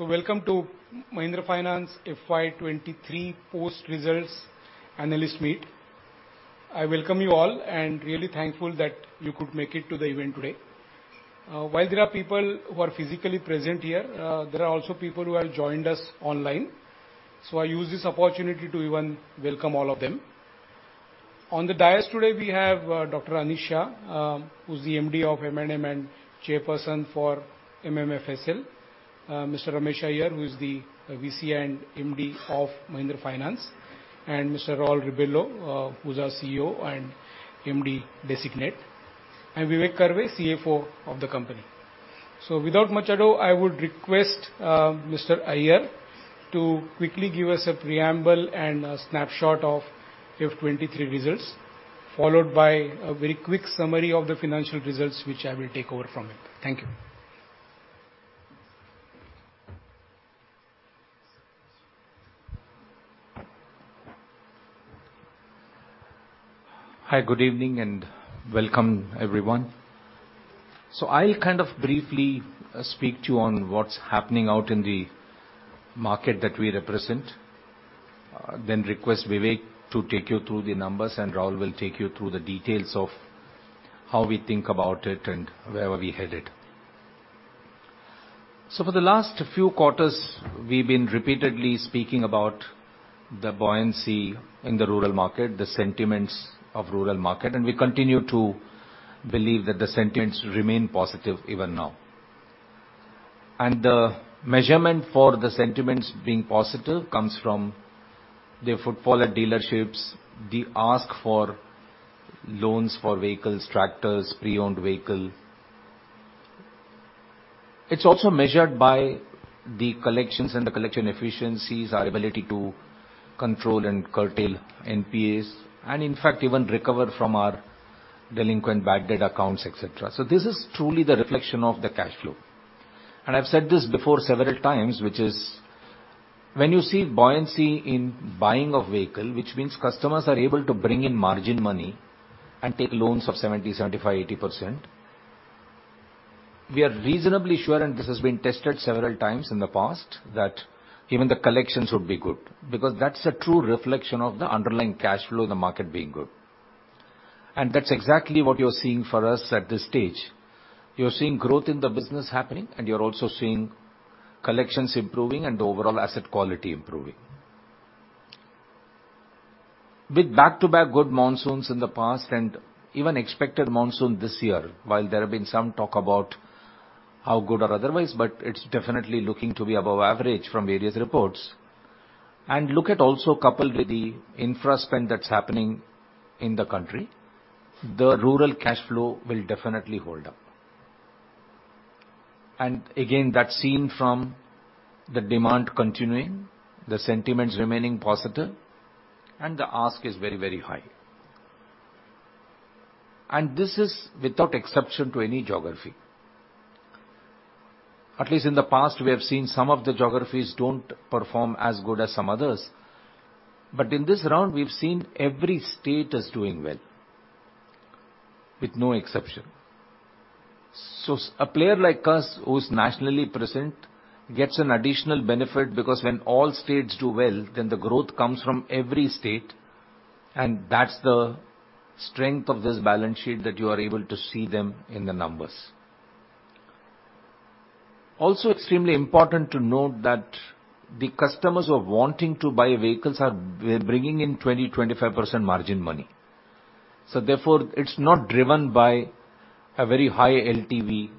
Welcome to Mahindra Finance FY 2023 post-results analyst meet. I welcome you all, and really thankful that you could make it to the event today. While there are people who are physically present here, there are also people who have joined us online. I use this opportunity to even welcome all of them. On the dais today we have Dr. Anish Shah, who's the MD of M&M and Chairperson for MMFSL. Mr. Ramesh Iyer, who is the VC and MD of Mahindra Finance, and Mr. Raul Rebello, who's our CEO and MD Designate, and Vivek Karve, CFO of the company. Without much ado, I would request Mr. Iyer to quickly give us a preamble and a snapshot of FY 23 results, followed by a very quick summary of the financial results, which I will take over from him. Thank you. Hi, good evening, and welcome, everyone. I'll kind of briefly speak to you on what's happening out in the market that we represent, then request Vivek to take you through the numbers, and Raul will take you through the details of how we think about it and where are we headed. For the last few quarters, we've been repeatedly speaking about the buoyancy in the rural market, the sentiments of rural market, and we continue to believe that the sentiments remain positive even now. The measurement for the sentiments being positive comes from the footfall at dealerships, the ask for loans for vehicles, tractors, pre-owned vehicle. It's also measured by the collections and the collection efficiencies, our ability to control and curtail NPAs, and in fact even recover from our delinquent bad debt accounts, et cetera. This is truly the reflection of the cash flow. I've said this before several times, which is when you see buoyancy in buying of vehicle, which means customers are able to bring in margin money and take loans of 70%, 75%, 80%, we are reasonably sure, and this has been tested several times in the past, that even the collections would be good, because that's a true reflection of the underlying cash flow in the market being good. That's exactly what you're seeing for us at this stage. You're seeing growth in the business happening and you're also seeing collections improving and the overall asset quality improving. With back-to-back good monsoons in the past and even expected monsoon this year, while there have been some talk about how good or otherwise, it's definitely looking to be above average from various reports. Look at also coupled with the infra spend that's happening in the country, the rural cash flow will definitely hold up. Again, that's seen from the demand continuing, the sentiments remaining positive, and the ask is very, very high. This is without exception to any geography. At least in the past, we have seen some of the geographies don't perform as good as some others. In this round, we've seen every state is doing well, with no exception. A player like us, who's nationally present, gets an additional benefit because when all states do well, then the growth comes from every state, and that's the strength of this balance sheet that you are able to see them in the numbers. Also extremely important to note that the customers who are wanting to buy vehicles are bringing in 20%-25% margin money. Therefore, it's not driven by a very high LTV,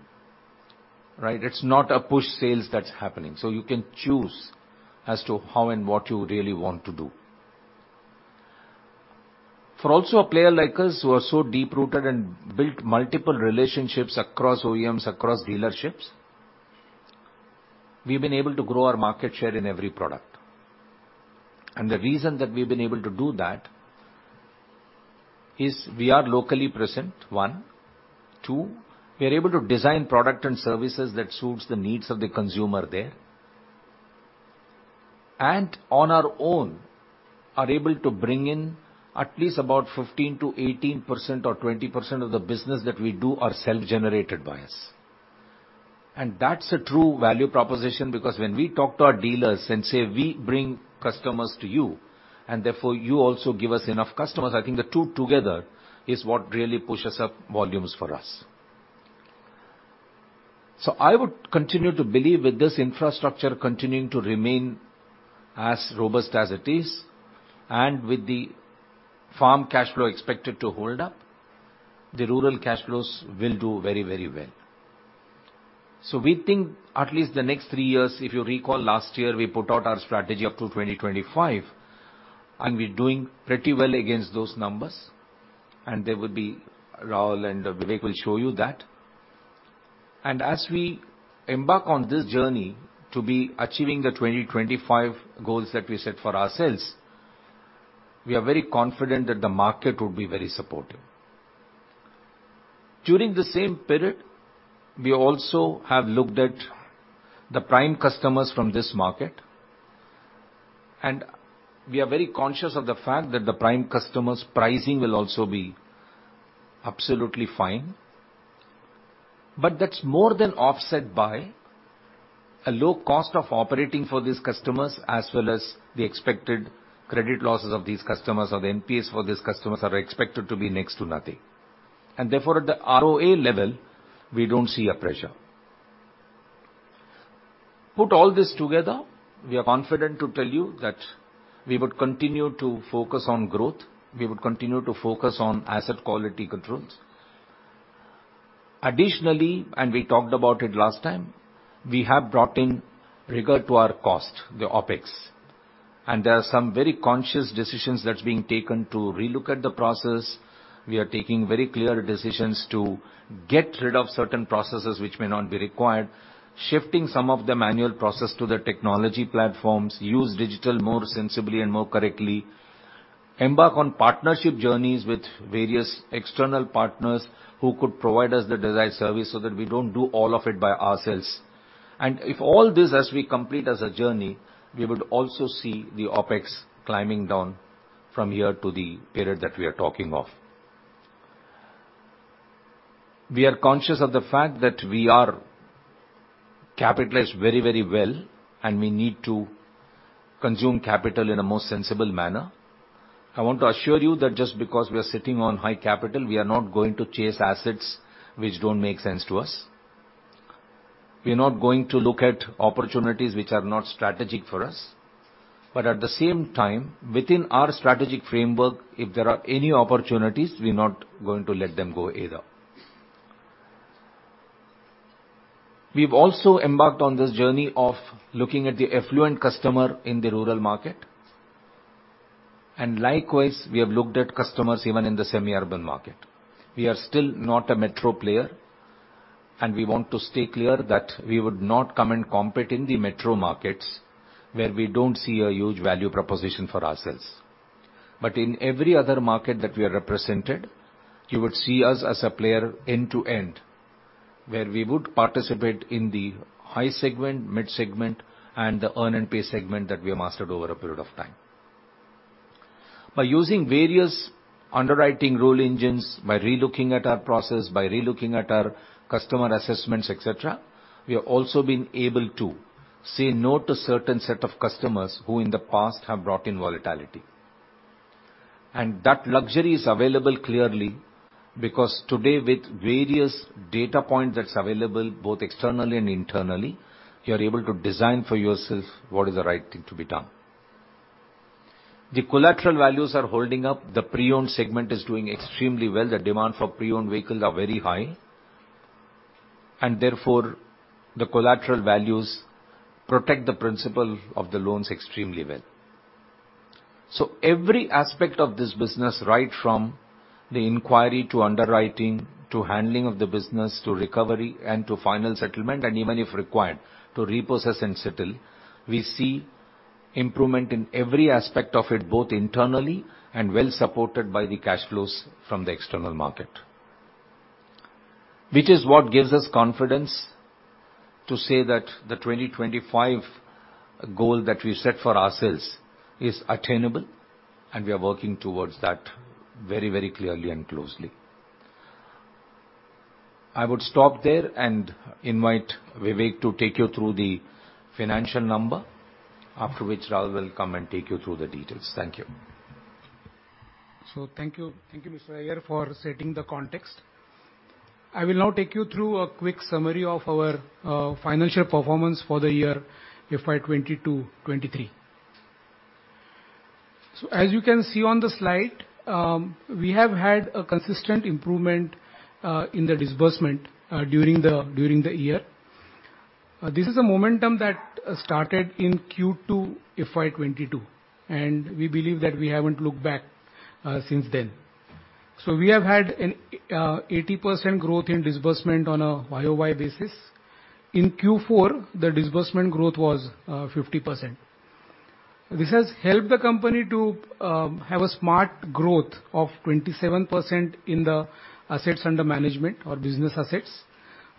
right? It's not a push sales that's happening. You can choose as to how and what you really want to do. For also a player like us who are so deep-rooted and built multiple relationships across OEMs, across dealerships, we've been able to grow our market share in every product. The reason that we've been able to do that is we are locally present, one. Two, we are able to design product and services that suits the needs of the consumer there. On our own are able to bring in at least about 15%-18% or 20% of the business that we do are self-generated by us. That's a true value proposition because when we talk to our dealers and say, "We bring customers to you, and therefore you also give us enough customers," I think the two together is what really pushes up volumes for us. I would continue to believe, with this infrastructure continuing to remain as robust as it is, and with the farm cash flow expected to hold up, the rural cash flows will do very, very well. We think at least the next three years, if you recall last year, we put out our strategy up to 2025, and we're doing pretty well against those numbers, and they would be. Raul and Vivek will show you that. As we embark on this journey to be achieving the 2025 goals that we set for ourselves, we are very confident that the market would be very supportive. During the same period, we also have looked at the prime customers from this market. And we are very conscious of the fact that the prime customers' pricing will also be absolutely fine, but that's more than offset by a low cost of operating for these customers, as well as the expected credit losses of these customers or the NPS for these customers are expected to be next to nothing. Therefore, at the ROA level, we don't see a pressure. Put all this together, we are confident to tell you that we would continue to focus on growth, we would continue to focus on asset quality controls. Additionally, and we talked about it last time, we have brought in rigor to our cost, the OpEx. There are some very conscious decisions that's being taken to relook at the process. We are taking very clear decisions to get rid of certain processes which may not be required, shifting some of the manual process to the technology platforms, use digital more sensibly and more correctly, embark on partnership journeys with various external partners who could provide us the desired service so that we don't do all of it by ourselves. If all this, as we complete as a journey, we would also see the OpEx climbing down from here to the period that we are talking of. We are conscious of the fact that we are capitalized very, very well, and we need to consume capital in a more sensible manner. I want to assure you that just because we are sitting on high capital, we are not going to chase assets which don't make sense to us. We are not going to look at opportunities which are not strategic for us. At the same time, within our strategic framework, if there are any opportunities, we're not going to let them go either. We've also embarked on this journey of looking at the affluent customer in the rural market, and likewise, we have looked at customers even in the semi-urban market. We are still not a metro player, and we want to stay clear that we would not come and compete in the metro markets where we don't see a huge value proposition for ourselves. In every other market that we are represented, you would see us as a player end to end, where we would participate in the high segment, mid segment, and the earn and pay segment that we have mastered over a period of time. By using various underwriting rule engines, by relooking at our process, by relooking at our customer assessments, et cetera, we have also been able to say no to certain set of customers who in the past have brought in volatility. That luxury is available clearly because today with various data points that's available both externally and internally, you are able to design for yourself what is the right thing to be done. The collateral values are holding up. The pre-owned segment is doing extremely well. The demand for pre-owned vehicles are very high, and therefore, the collateral values protect the principal of the loans extremely well. Every aspect of this business, right from the inquiry to underwriting, to handling of the business, to recovery and to final settlement, and even if required, to repossess and settle, we see improvement in every aspect of it, both internally and well supported by the cash flows from the external market, which is what gives us confidence to say that the 2025 goal that we set for ourselves is attainable, and we are working towards that very, very clearly and closely. I would stop there and invite Vivek to take you through the financial number, after which Raul will come and take you through the details. Thank you. Thank you. Thank you, Mr. Iyer, for setting the context. I will now take you through a quick summary of our financial performance for the year FY 2022, 2023. As you can see on the slide, we have had a consistent improvement in the disbursement during the year. This is a momentum that started in Q2 FY 2022, and we believe that we haven't looked back since then. We have had an 80% growth in disbursement on a YOY basis. In Q4, the disbursement growth was 50%. This has helped the company to have a smart growth of 27% in the assets under management or business assets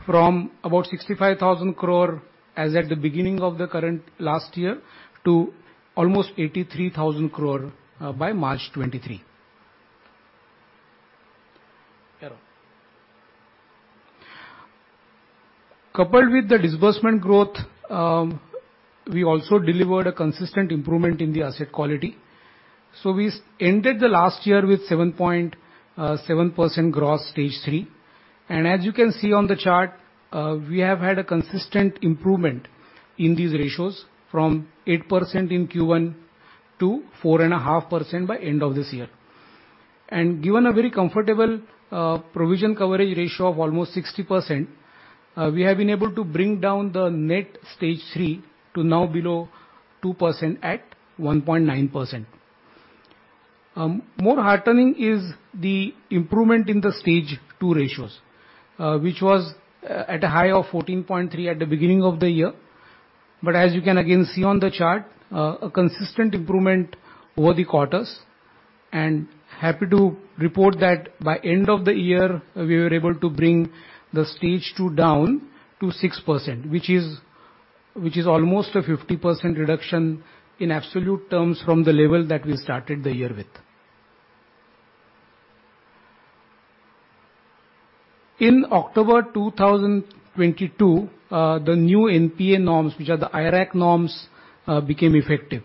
from about 65,000 crore as at the beginning of the current last year to almost 83,000 crore by March 2023. Coupled with the disbursement growth, we also delivered a consistent improvement in the asset quality. We ended the last year with 7.7% gross Stage Three. As you can see on the chart, we have had a consistent improvement in these ratios from 8% in Q1 to 4.5% by end of this year. Given a very comfortable provision coverage ratio of almost 60%, we have been able to bring down the net Stage Three to now below 2% at 1.9%. More heartening is the improvement in the Stage Two ratios, which was at a high of 14.3% at the beginning of the year. As you can again see on the chart, a consistent improvement over the quarters. Happy to report that by end of the year, we were able to bring the stage two down to 6%, which is, which is almost a 50% reduction in absolute terms from the level that we started the year with. In October 2022, the new NPA norms, which are the IRAC norms, became effective.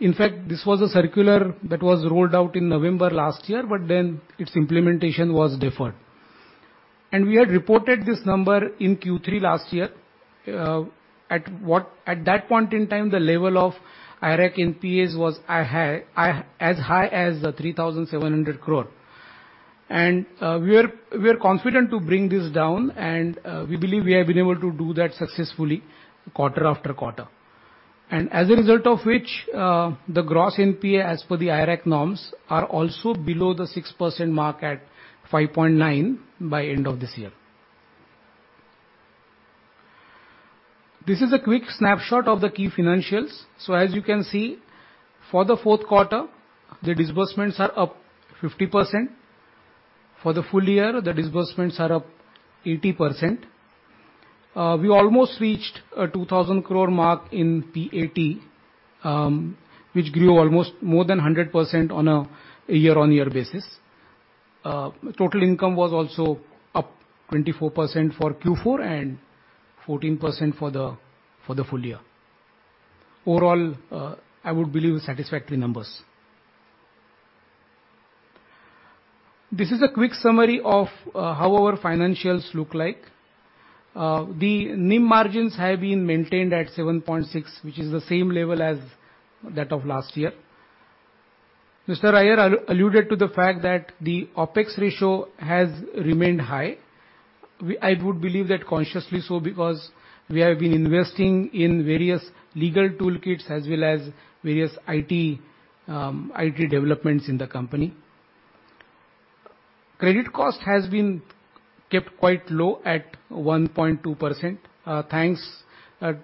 In fact, this was a circular that was rolled out in November last year, its implementation was deferred. We had reported this number in Q3 last year, At that point in time, the level of IRAC NPAs was a high, as high as 3,700 crore. We are confident to bring this down and we believe we have been able to do that successfully quarter after quarter. As a result of which, the gross NPA as per the IRAC norms are also below the 6% mark at 5.9% by end of this year. This is a quick snapshot of the key financials. As you can see, for the fourth quarter, the disbursements are up 50%. For the full year, the disbursements are up 80%. We almost reached a 2,000 crore mark in PAT, which grew almost more than 100% on a year-on-year basis. Total income was also up 24% for Q4 and 14% for the full year. Overall, I would believe satisfactory numbers. This is a quick summary of how our financials look like. The NIM margins have been maintained at 7.6, which is the same level as that of last year. Mr. Iyer alluded to the fact that the OpEx ratio has remained high. I would believe that consciously so, because we have been investing in various legal toolkits as well as various IT developments in the company. Credit cost has been kept quite low at 1.2%, thanks to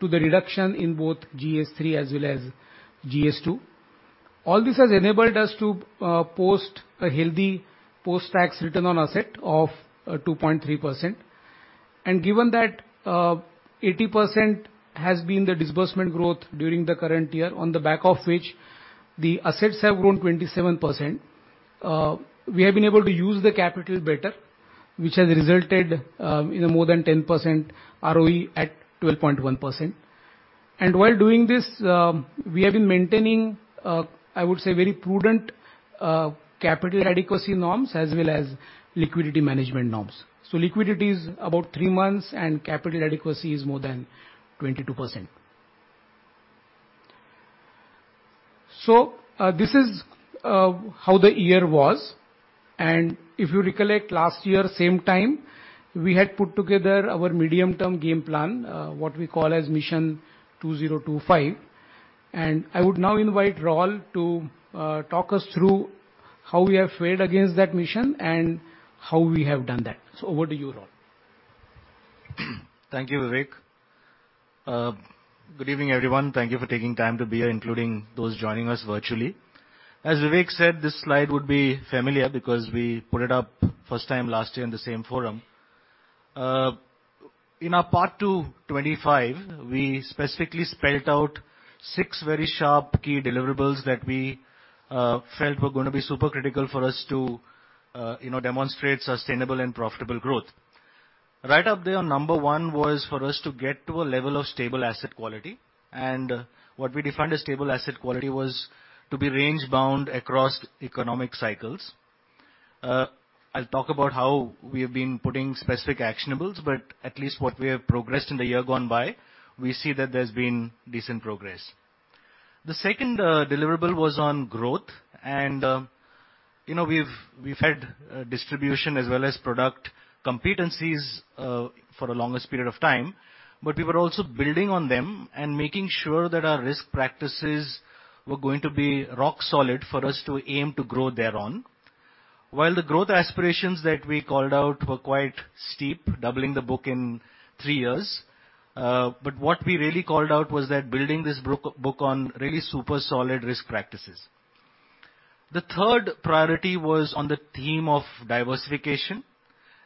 the reduction in both GS3 as well as GS2. All this has enabled us to post a healthy post-tax return on asset of 2.3%. Given that 80% has been the disbursement growth during the current year on the back of which the assets have grown 27%, we have been able to use the capital better, which has resulted in a more than 10% ROE at 12.1%. While doing this, we have been maintaining, I would say, very prudent capital adequacy norms as well as liquidity management norms. Liquidity is about three months, and capital adequacy is more than 22%. This is how the year was. If you recollect last year same time, we had put together our medium-term game plan, what we call as Mission 2025. I would now invite Raul to talk us through how we have fared against that mission and how we have done that. Over to you, Raul. Thank you, Vivek. Good evening, everyone. Thank you for taking time to be here, including those joining us virtually. As Vivek said, this slide would be familiar because we put it up first time last year in the same forum. In our Path to 2025, we specifically spelled out six very sharp key deliverables that we felt were gonna be super critical for us to, you know, demonstrate sustainable and profitable growth. Right up there on number one was for us to get to a level of stable asset quality. What we defined as stable asset quality was to be range bound across economic cycles. I'll talk about how we have been putting specific actionables, but at least what we have progressed in the year gone by, we see that there's been decent progress. The second deliverable was on growth and, you know, we've had distribution as well as product competencies for the longest period of time, but we were also building on them and making sure that our risk practices were going to be rock solid for us to aim to grow thereon. While the growth aspirations that we called out were quite steep, doubling the book in three years, but what we really called out was that building this book on really super solid risk practices. The third priority was on the theme of diversification,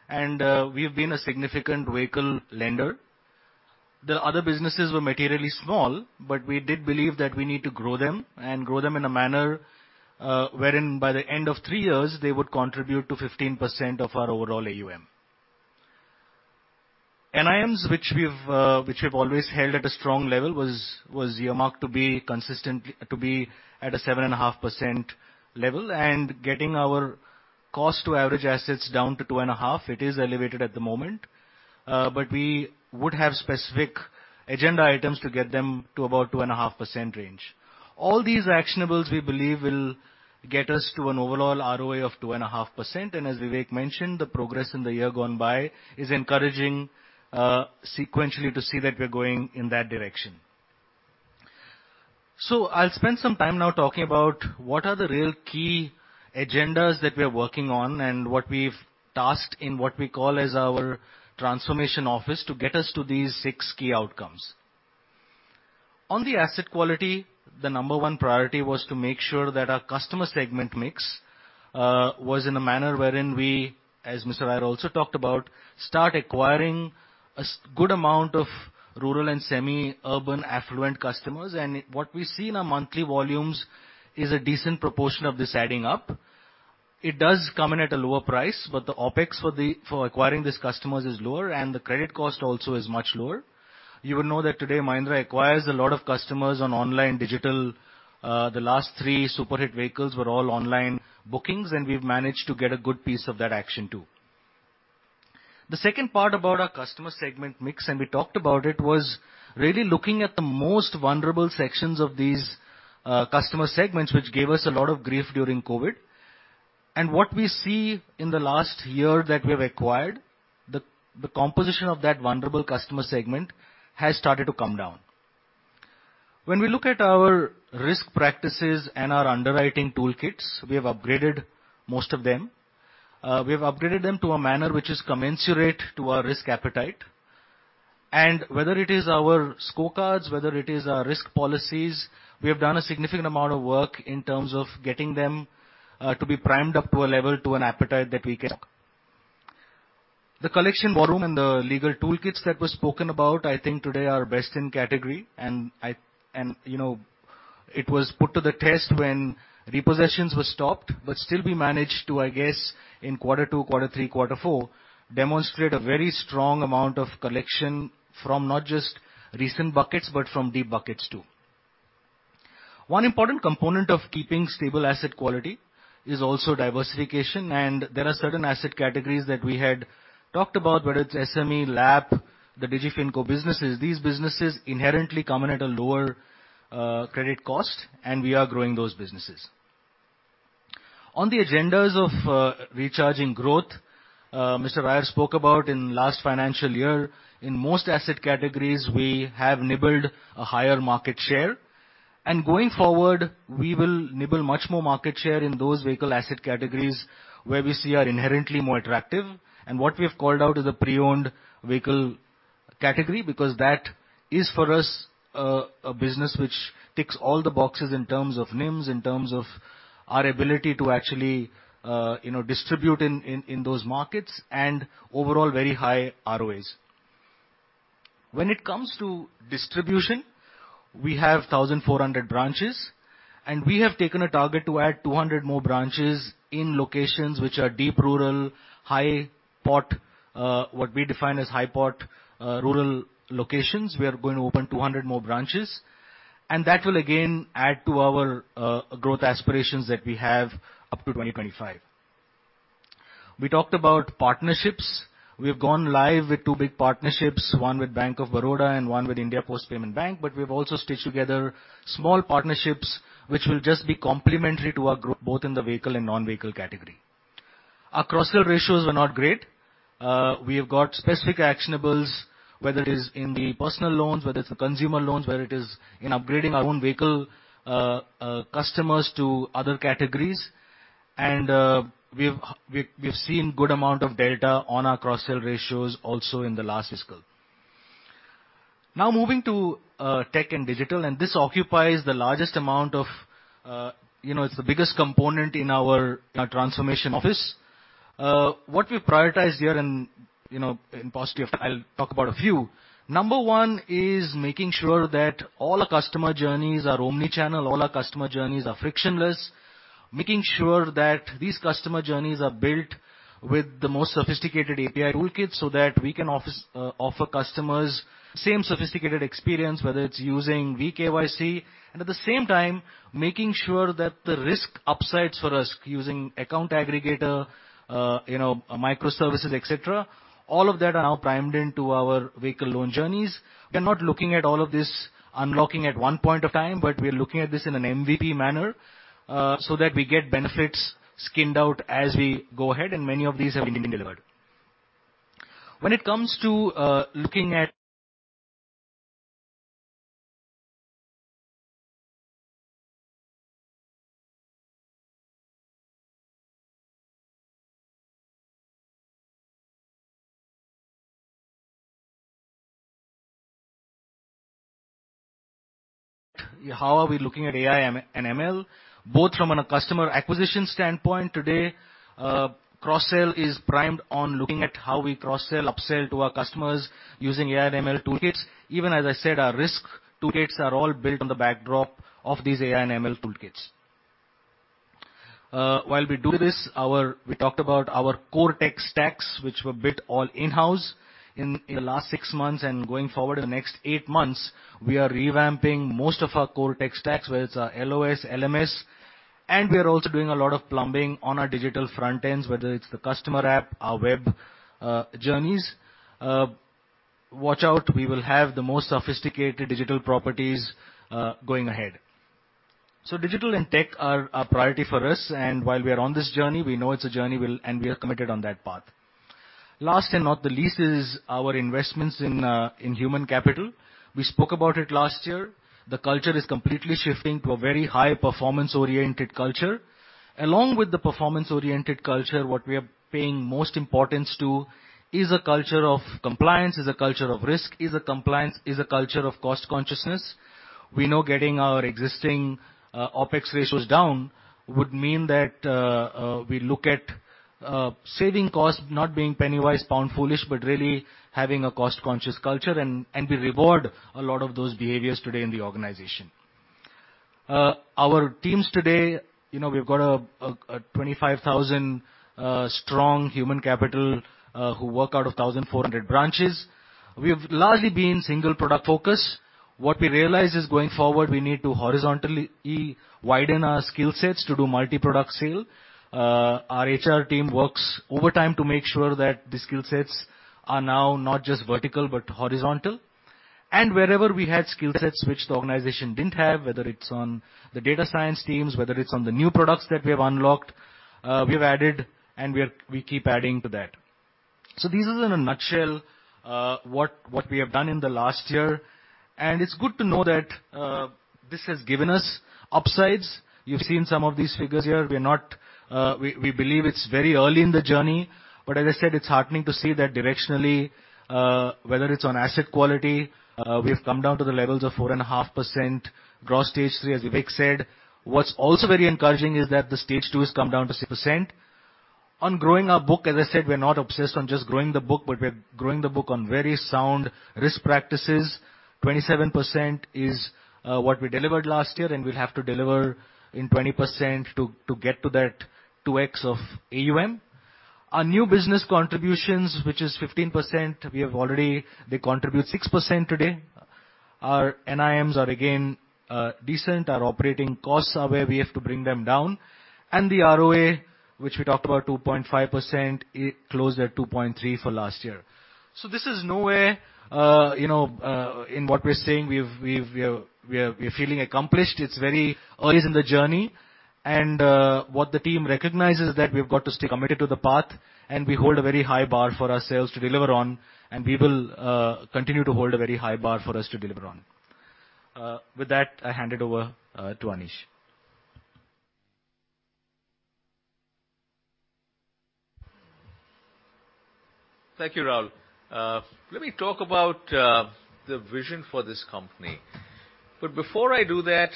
and we've been a significant vehicle lender. The other businesses were materially small, but we did believe that we need to grow them and grow them in a manner wherein by the end of three years, they would contribute to 15% of our overall AUM. NIMs, which we've always held at a strong level was earmarked to be at a 7.5% level and getting our cost to average assets down to 2.5%. It is elevated at the moment. We would have specific agenda items to get them to about 2.5% range. All these actionables, we believe, will get us to an overall ROA of 2.5%. As Vivek mentioned, the progress in the year gone by is encouraging, sequentially to see that we're going in that direction. I'll spend some time now talking about what are the real key agendas that we are working on and what we've tasked in what we call as our transformation office to get us to these six key outcomes. On the asset quality, the number one priority was to make sure that our customer segment mix was in a manner wherein we, as Mr. Iyer also talked about, start acquiring a good amount of rural and semi-urban affluent customers. What we see in our monthly volumes is a decent proportion of this adding up. It does come in at a lower price, but the OpEx for acquiring these customers is lower, and the credit cost also is much lower. You will know that today Mahindra acquires a lot of customers on online digital. The last three super hit vehicles were all online bookings, and we’ve managed to get a good piece of that action too. The second part about our customer segment mix, and we talked about it, was really looking at the most vulnerable sections of these customer segments, which gave us a lot of grief during COVID. What we see in the last year that we have acquired, the composition of that vulnerable customer segment has started to come down. When we look at our risk practices and our underwriting toolkits, we have upgraded most of them. We have upgraded them to a manner which is commensurate to our risk appetite. Whether it is our scorecards, whether it is our risk policies, we have done a significant amount of work in terms of getting them to be primed up to a level, to an appetite that we can... The collection volume and the legal toolkits that were spoken about, I think today are best in category. You know, it was put to the test when repossessions were stopped, but still we managed to, I guess, in quarter two, quarter three, quarter four, demonstrate a very strong amount of collection from not just recent buckets, but from deep buckets too. One important component of keeping stable asset quality is also diversification, and there are certain asset categories that we had talked about, whether it's SME, LAP, the DigiFinco businesses. These businesses inherently come in at a lower credit cost, and we are growing those businesses. On the agendas of recharging growth, Mr. Iyer spoke about in last financial year, in most asset categories we have nibbled a higher market share. Going forward, we will nibble much more market share in those vehicle asset categories where we see are inherently more attractive. What we have called out is a pre-owned vehicle category, because that is, for us, a business which ticks all the boxes in terms of NIMS, in terms of our ability to actually, you know, distribute in those markets and overall very high ROAs. When it comes to distribution, we have 1,400 branches, and we have taken a target to add 200 more branches in locations which are deep rural, high POT, what we define as high POT rural locations. We are going to open 200 more branches and that will again add to our growth aspirations that we have up to 2025. We talked about partnerships. We've gone live with two big partnerships, one with Bank of Baroda and one with India Post Payments Bank. We've also stitched together small partnerships which will just be complementary to our growth, both in the vehicle and non-vehicle category. Our cross-sell ratios are not great. We have got specific actionables, whether it is in the personal loans, whether it's the consumer loans, whether it is in upgrading our own vehicle customers to other categories. We've seen good amount of data on our cross-sell ratios also in the last fiscal. Moving to tech and digital, and this occupies the largest amount of, you know, it's the biggest component in our, in our transformation office. What we prioritize here and, you know, in posterity I'll talk about a few. Number 1 is making sure that all our customer journeys are omni-channel, all our customer journeys are frictionless. Making sure that these customer journeys are built with the most sophisticated API toolkit so that we can offer customers same sophisticated experience, whether it's using VKYC and at the same time making sure that the risk upsides for us using account aggregator, you know, microservices, et cetera, all of that are now primed into our vehicle loan journeys. We are not looking at all of this unlocking at one point of time. We are looking at this in an MVP manner, so that we get benefits skinned out as we go ahead. Many of these have been delivered. When it comes to, looking at how are we looking at AI and ML, both from a customer acquisition standpoint today, cross-sell is primed on looking at how we cross-sell, up-sell to our customers using AI and ML toolkits. Even as I said, our risk toolkits are all built on the backdrop of these AI and ML toolkits. While we do this, we talked about our core tech stacks, which were built all in-house in the last six months. Going forward in the next eight months, we are revamping most of our core tech stacks, whether it's our LOS, LMS, and we are also doing a lot of plumbing on our digital front ends, whether it's the customer app, our web journeys. Watch out, we will have the most sophisticated digital properties going ahead. Digital and tech are a priority for us and while we are on this journey, we know it's a journey and we are committed on that path. Last and not the least is our investments in human capital. We spoke about it last year. The culture is completely shifting to a very high performance-oriented culture. Along with the performance-oriented culture, what we are paying most importance to is a culture of compliance, is a culture of risk, is a compliance, is a culture of cost consciousness. We know getting our existing OpEx ratios down would mean that we look at saving costs, not being penny wise, pound foolish, but really having a cost-conscious culture. We reward a lot of those behaviors today in the organization. Our teams today, you know, we've got a 25,000 strong human capital who work out of 1,400 branches. We've largely been single product focused. What we realize is, going forward, we need to horizontally widen our skill sets to do multi-product sale. Our HR team works overtime to make sure that the skill sets are now not just vertical, but horizontal. Wherever we had skill sets which the organization didn't have, whether it's on the data science teams, whether it's on the new products that we have unlocked, we've added, and we keep adding to that. This is in a nutshell, what we have done in the last year, and it's good to know that this has given us upsides. You've seen some of these figures here. We're not. We believe it's very early in the journey, but as I said, it's heartening to see that directionally, whether it's on asset quality, we've come down to the levels of 4.5% gross stage three, as Vivek said. What's also very encouraging is that the stage two has come down to 6%. On growing our book, as I said, we're not obsessed on just growing the book, but we're growing the book on very sound risk practices. 27% is what we delivered last year, and we'll have to deliver in 20% to get to that 2x of AUM. Our new business contributions, which is 15%, They contribute 6% today. Our NIMs are again decent. Our operating costs are where we have to bring them down. The ROA, which we talked about, 2.5%, it closed at 2.3% for last year. This is nowhere, you know, in what we're saying. We're feeling accomplished. It's very early in the journey, and what the team recognizes that we've got to stay committed to the path, and we hold a very high bar for ourselves to deliver on, and we will continue to hold a very high bar for us to deliver on. With that, I hand it over to Anish. Thank you, Raul. Let me talk about the vision for this company. Before I do that,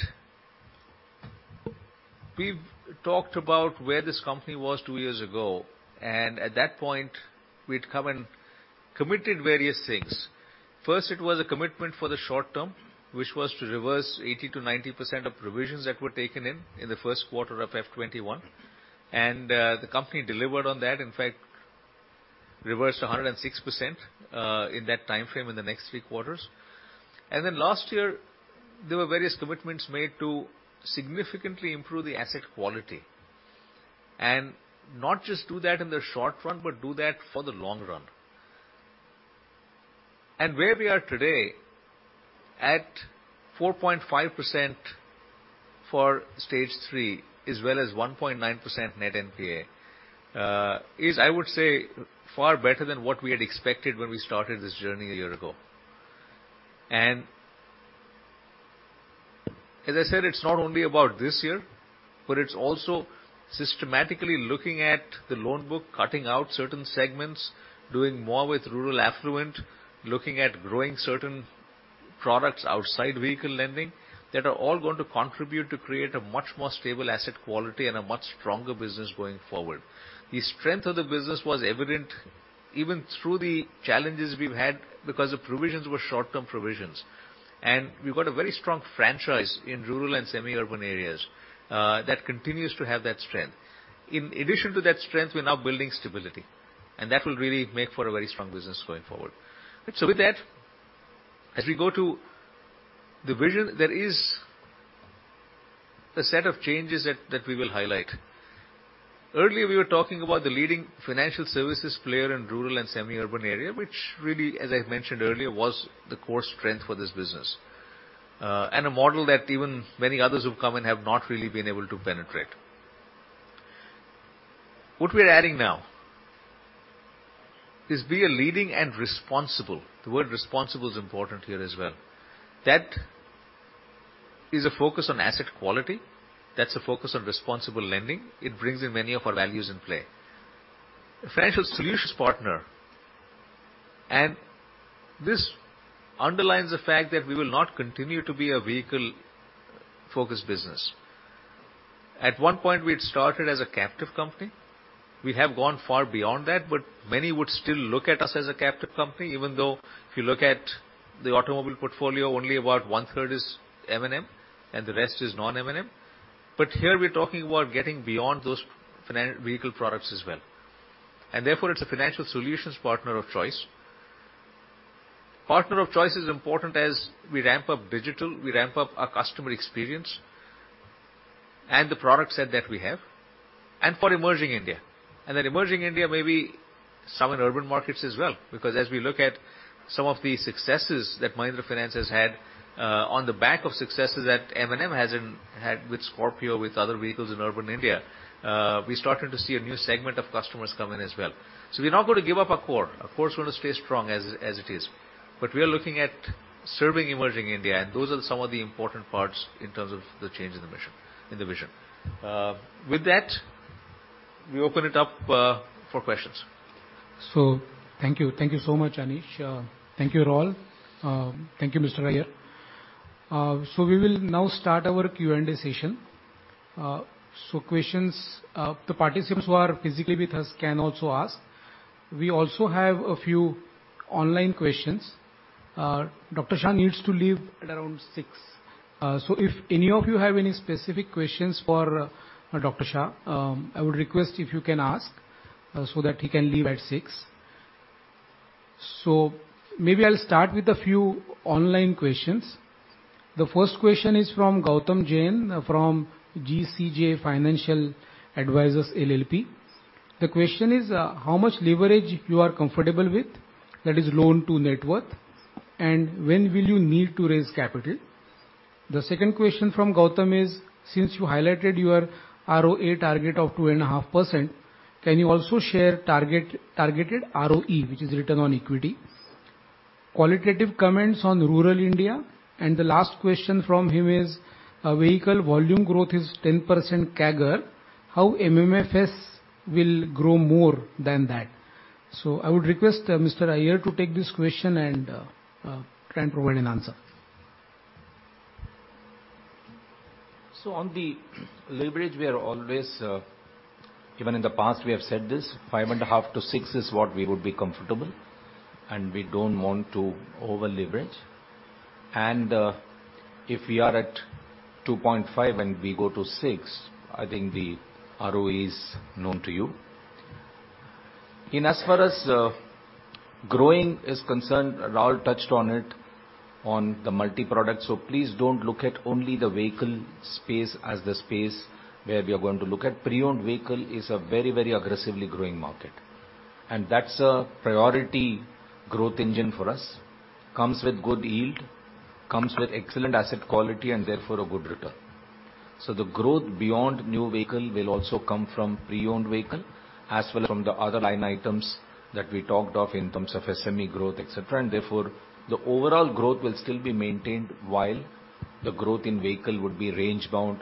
we've talked about where this company was two years ago, and at that point, we'd come and committed various things. First, it was a commitment for the short-term, which was to reverse 80%-90% of provisions that were taken in the first quarter of F 21, and the company delivered on that. In fact, reversed 106% in that timeframe in the next three quarters. Last year, there were various commitments made to significantly improve the asset quality, and not just do that in the short run, but do that for the long run. Where we are today at 4.5% for stage three, as well as 1.9% net NPA, I would say, far better than what we had expected when we started this journey a year ago. As I said, it's not only about this year, but it's also systematically looking at the loan book, cutting out certain segments, doing more with rural affluent, looking at growing certain products outside vehicle lending, that are all going to contribute to create a much more stable asset quality and a much stronger business going forward. The strength of the business was evident even through the challenges we've had because the provisions were short-term provisions. We've got a very strong franchise in rural and semi-urban areas that continues to have that strength. In addition to that strength, we're now building stability, and that will really make for a very strong business going forward. With that, as we go to the vision, there is a set of changes that we will highlight. Earlier, we were talking about the leading financial services player in rural and semi-urban area, which really, as I mentioned earlier, was the core strength for this business, and a model that even many others who've come in have not really been able to penetrate. What we're adding now is be a leading and responsible. The word responsible is important here as well. That is a focus on asset quality. That's a focus on responsible lending. It brings in many of our values in play. A financial solutions partner, this underlines the fact that we will not continue to be a vehicle-focused business. At one point, we had started as a captive company. We have gone far beyond that, but many would still look at us as a captive company, even though if you look at the automobile portfolio, only about one-third is M&M and the rest is non-M&M. Here we're talking about getting beyond those vehicle products as well. Therefore, it's a financial solutions partner of choice. Partner of choice is important as we ramp up digital, we ramp up our customer experience, and the product set that we have, and for emerging India. Emerging India may be some in urban markets as well, because as we look at some of the successes that Mahindra Finance has had, on the back of successes that M&M has had with Scorpio, with other vehicles in urban India. We started to see a new segment of customers come in as well. We're not going to give up our core. Our core is gonna stay strong as it is. We are looking at serving emerging India, and those are some of the important parts in terms of the change in the vision. With that, we open it up for questions. Thank you so much, Anish. Thank you, Raul. Thank you, Mr. Iyer. We will now start our Q&A session. Questions, the participants who are physically with us can also ask. We also have a few online questions. Dr. Shah needs to leave at around 6. If any of you have any specific questions for Dr. Shah, I would request if you can ask so that he can leave at sis. Maybe I'll start with a few online questions. The first question is from Gautam Jain from GCJ Financial Advisors LLP. The question is, how much leverage you are comfortable with, that is loan to net worth, and when will you need to raise capital? The second question from Gautam is, since you highlighted your ROA target of 2.5%, can you also share targeted ROE, which is return on equity? Qualitative comments on rural India. The last question from him is, vehicle volume growth is 10% CAGR. How MMFSL will grow more than that? I would request Mr. Iyer to take this question and try and provide an answer. On the leverage, we are always, even in the past we have said this, 5.5 to six is what we would be comfortable, and we don't want to over-leverage. If we are at 2.5 and we go to six, I think the ROE is known to you. In as far as growing is concerned, Raul touched on it on the multi-product. Please don't look at only the vehicle space as the space where we are going to look at. Pre-owned vehicle is a very, very aggressively growing market, and that's a priority growth engine for us. Comes with good yield, comes with excellent asset quality, and therefore a good return. The growth beyond new vehicle will also come from pre-owned vehicle, as well as from the other line items that we talked of in terms of SME growth, et cetera. Therefore, the overall growth will still be maintained while the growth in vehicle would be range bound,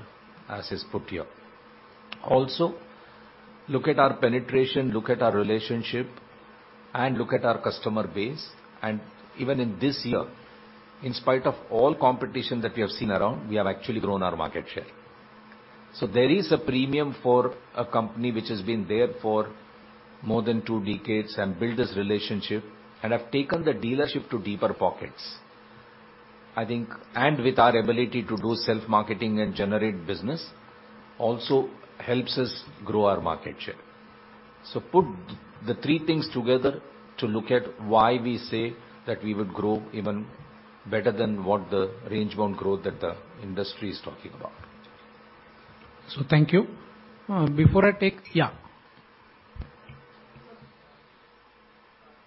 as is put here. Look at our penetration, look at our relationship, and look at our customer base. Even in this year, in spite of all competition that we have seen around, we have actually grown our market share. There is a premium for a company which has been there for more than two decades and build this relationship and have taken the dealership to deeper pockets. With our ability to do self-marketing and generate business also helps us grow our market share. Put the 3 things together to look at why we say that we would grow even better than what the range bound growth that the industry is talking about. Thank you. Yeah. When you are talking about financial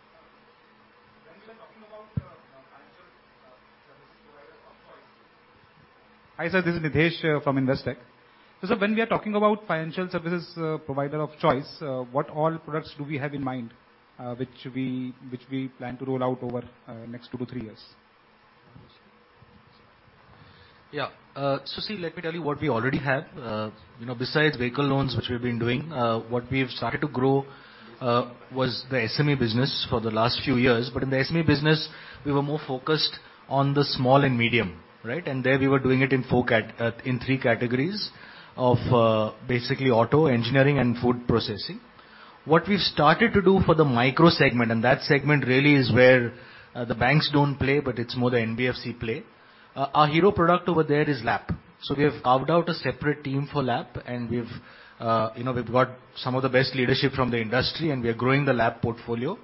services provider of choice... Hi, sir. This is Nitesh from Investec. Sir, when we are talking about financial services provider of choice, what all products do we have in mind, which we plan to roll out over next two to three years? Yeah. See, let me tell you what we already have. You know, besides vehicle loans, which we've been doing, what we've started to grow was the SME business for the last few years. In the SME business, we were more focused on the small and medium, right? There we were doing it in three categories of basically auto, engineering and food processing. What we've started to do for the micro segment, that segment really is where the banks don't play, but it's more the NBFC play. Our hero product over there is LAP. We have carved out a separate team for LAP, and we've, you know, we've got some of the best leadership from the industry, and we are growing the LAP portfolio.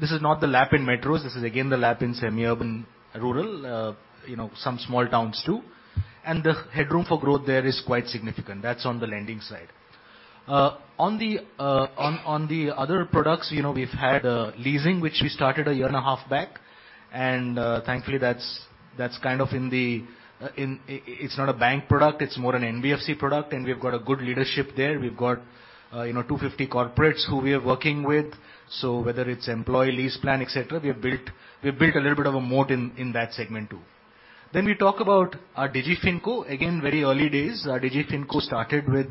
This is not the LAP in metros. This is again the LAP in semi-urban, rural, you know, some small towns too. The headroom for growth there is quite significant. That's on the lending side. On the other products, you know, we've had leasing, which we started a year and a half back. Thankfully, that's kind of in the. It's not a bank product, it's more an NBFC product, and we've got a good leadership there. We've got, you know, 250 corporates who we are working with. Whether it's employee lease plan, et cetera, we have built a little bit of a moat in that segment too. We talk about our DigiFinco. Again, very early days. Our DigiFinco started with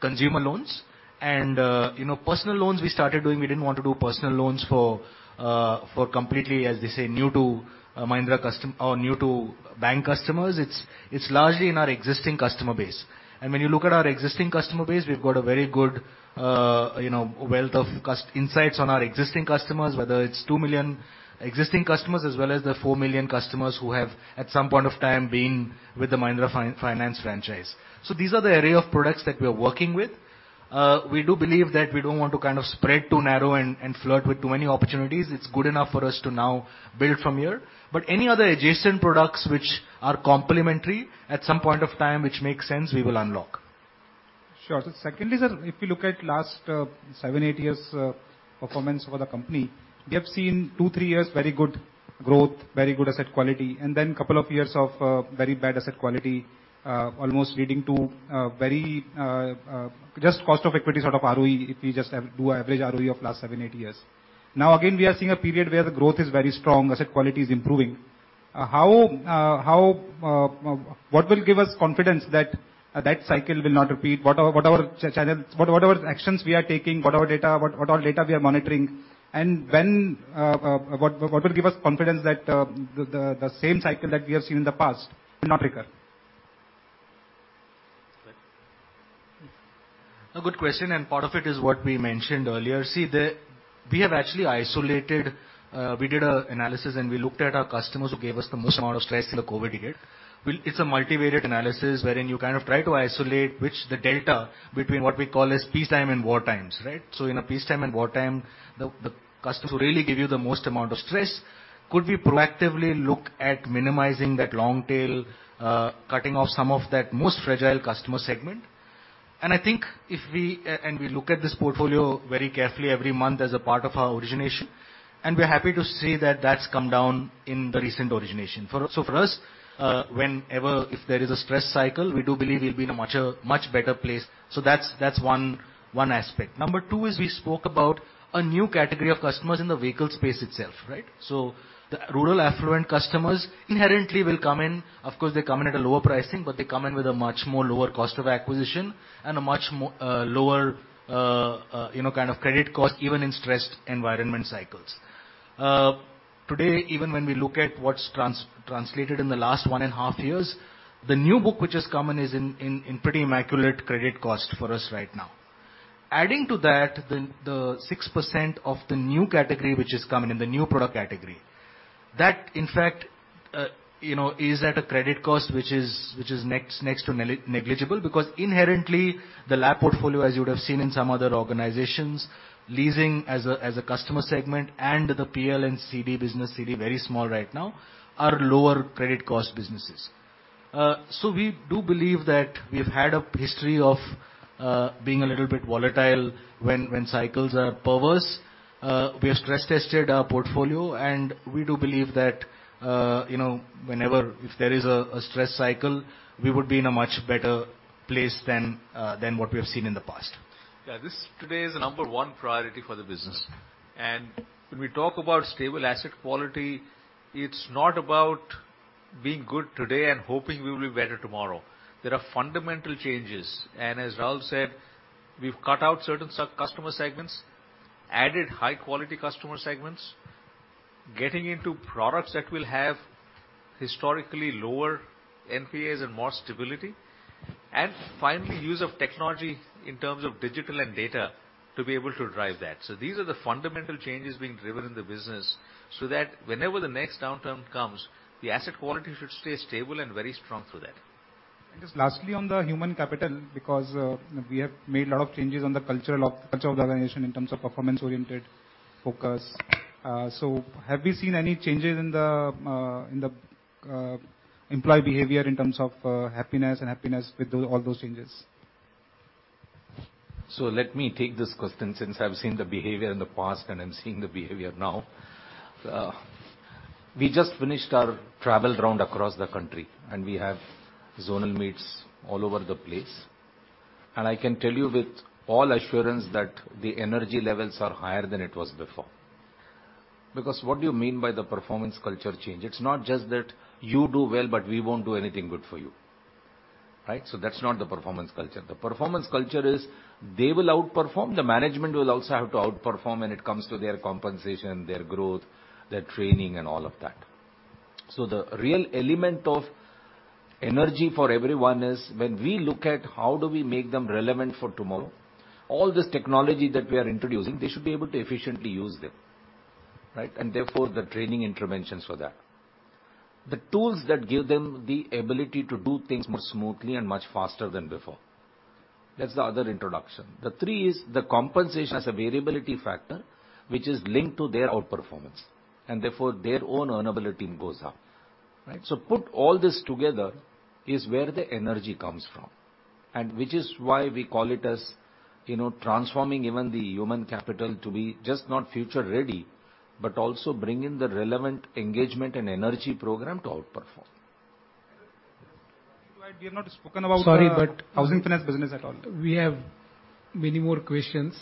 consumer loans and, you know, personal loans we started doing. We didn't want to do personal loans for for completely, as they say, new to Mahindra or new to bank customers. It's largely in our existing customer base. When you look at our existing customer base, we've got a very good, you know, wealth of insights on our existing customers, whether it's 2 million existing customers as well as the 4 million customers who have, at some point of time, been with the Mahindra Finance franchise. These are the array of products that we are working with. We do believe that we don't want to kind of spread too narrow and flirt with too many opportunities. It's good enough for us to now build from here. Any other adjacent products which are complementary at some point of time, which makes sense, we will unlock. Sure. Secondly, sir, if you look at last seven, eight years performance for the company, we have seen two, three years very good growth, very good asset quality, and then couple of years of very bad asset quality, almost leading to very just cost of equity sort of ROE, if you just do average ROE of last seven, eight years. Again, we are seeing a period where the growth is very strong, asset quality is improving. How what will give us confidence that that cycle will not repeat? What are channels, what are actions we are taking? What are data, what all data we are monitoring? When what will give us confidence that the same cycle that we have seen in the past will not recur? A good question, and part of it is what we mentioned earlier. We have actually isolated, we did a analysis and we looked at our customers who gave us the most amount of stress through the COVID hit. It's a multivariate analysis wherein you kind of try to isolate which the delta between what we call as peacetime and war times, right? In a peacetime and war time, the customers who really give you the most amount of stress, could we proactively look at minimizing that long tail, cutting off some of that most fragile customer segment. I think if we, and we look at this portfolio very carefully every month as a part of our origination, and we're happy to say that's come down in the recent origination. Whenever if there is a stress cycle, we do believe we'll be in a much better place. That's one aspect. Number two is we spoke about a new category of customers in the vehicle space itself, right? The rural affluent customers inherently will come in, of course, they come in at a lower pricing, but they come in with a much more lower cost of acquisition and a much lower, you know, kind of credit cost even in stressed environment cycles. Today, even when we look at what's translated in the last 1.5 years, the new book which has come in is in pretty immaculate credit cost for us right now. Adding to that, the 6% of the new category which is coming in, the new product category, that in fact, you know, is at a credit cost which is next to negligible. Because inherently the LAP portfolio, as you would have seen in some other organizations, leasing as a customer segment and the PL and CD business, CD very small right now, are lower credit cost businesses. We do believe that we've had a history of being a little bit volatile when cycles are perverse. We have stress tested our portfolio, we do believe that, you know, whenever if there is a stress cycle, we would be in a much better place than what we have seen in the past. Yeah. This today is the number one priority for the business. When we talk about stable asset quality, it's not about being good today and hoping we will be better tomorrow. There are fundamental changes, and as Raul said, we've cut out certain customer segments, added high quality customer segments, getting into products that will have historically lower NPAs and more stability, and finally, use of technology in terms of digital and data to be able to drive that. These are the fundamental changes being driven in the business so that whenever the next downturn comes, the asset quality should stay stable and very strong through that. Just lastly, on the human capital, because we have made a lot of changes on the culture of the organization in terms of performance-oriented focus. Have you seen any changes in the in the employee behavior in terms of happiness and happiness with all those changes? Let me take this question since I've seen the behavior in the past and I'm seeing the behavior now. We just finished our travel round across the country and we have zonal meets all over the place. I can tell you with all assurance that the energy levels are higher than it was before. What do you mean by the performance culture change? It's not just that you do well, but we won't do anything good for you, right? That's not the performance culture. The performance culture is they will outperform, the management will also have to outperform when it comes to their compensation, their growth, their training and all of that. The real element of energy for everyone is when we look at how do we make them relevant for tomorrow, all this technology that we are introducing, they should be able to efficiently use them, right. Therefore, the training interventions for that. The tools that give them the ability to do things more smoothly and much faster than before. That's the other introduction. The three is the compensation as a variability factor, which is linked to their outperformance and therefore their own earnability goes up, right. Put all this together is where the energy comes from and which is why we call it as, you know, transforming even the human capital to be just not future ready, but also bring in the relevant engagement and energy program to outperform. We have not spoken about. Sorry. housing finance business at all. We have many more questions.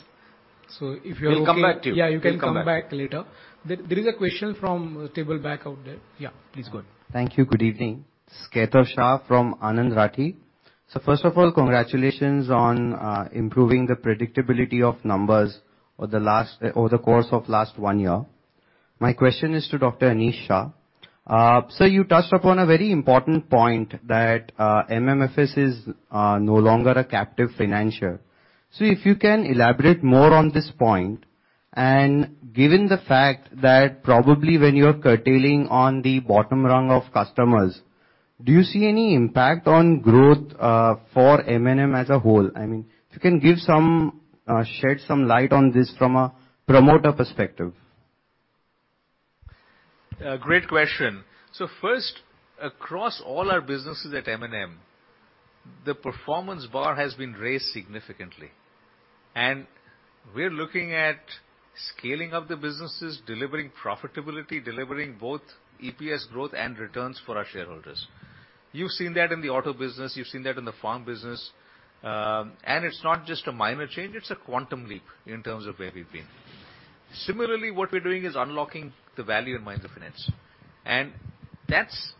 If you're okay. We'll come back to you. Yeah, you can come back later. We'll come back. There is a question from table back out there. Yeah, please go on. Thank you. Good evening. It's Ketav Shah from Anand Rathi. First of all, congratulations on improving the predictability of numbers over the last, over the course of last one year. My question is to Dr. Anish Shah. You touched upon a very important point that MMFSL is no longer a captive financier. If you can elaborate more on this point and given the fact that probably when you are curtailing on the bottom rung of customers, do you see any impact on growth for M&M as a whole? I mean, if you can give some, shed some light on this from a promoter perspective. Great question. First, across all our businesses at M&M. The performance bar has been raised significantly, and we're looking at scaling up the businesses, delivering profitability, delivering both EPS growth and returns for our shareholders. You've seen that in the auto business, you've seen that in the farm business. It's not just a minor change, it's a quantum leap in terms of where we've been. Similarly, what we're doing is unlocking the value in Mahindra Finance. That's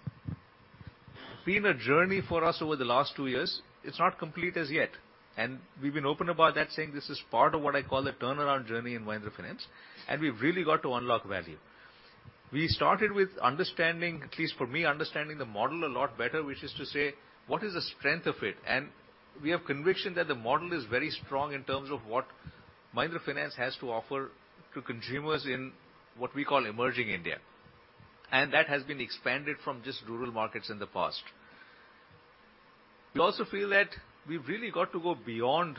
been a journey for us over the last two years. It's not complete as yet. We've been open about that, saying this is part of what I call the turnaround journey in Mahindra Finance. We've really got to unlock value. We started with understanding, at least for me, understanding the model a lot better, which is to say what is the strength of it? We have conviction that the model is very strong in terms of what Mahindra Finance has to offer to consumers in what we call emerging India. That has been expanded from just rural markets in the past. We also feel that we've really got to go beyond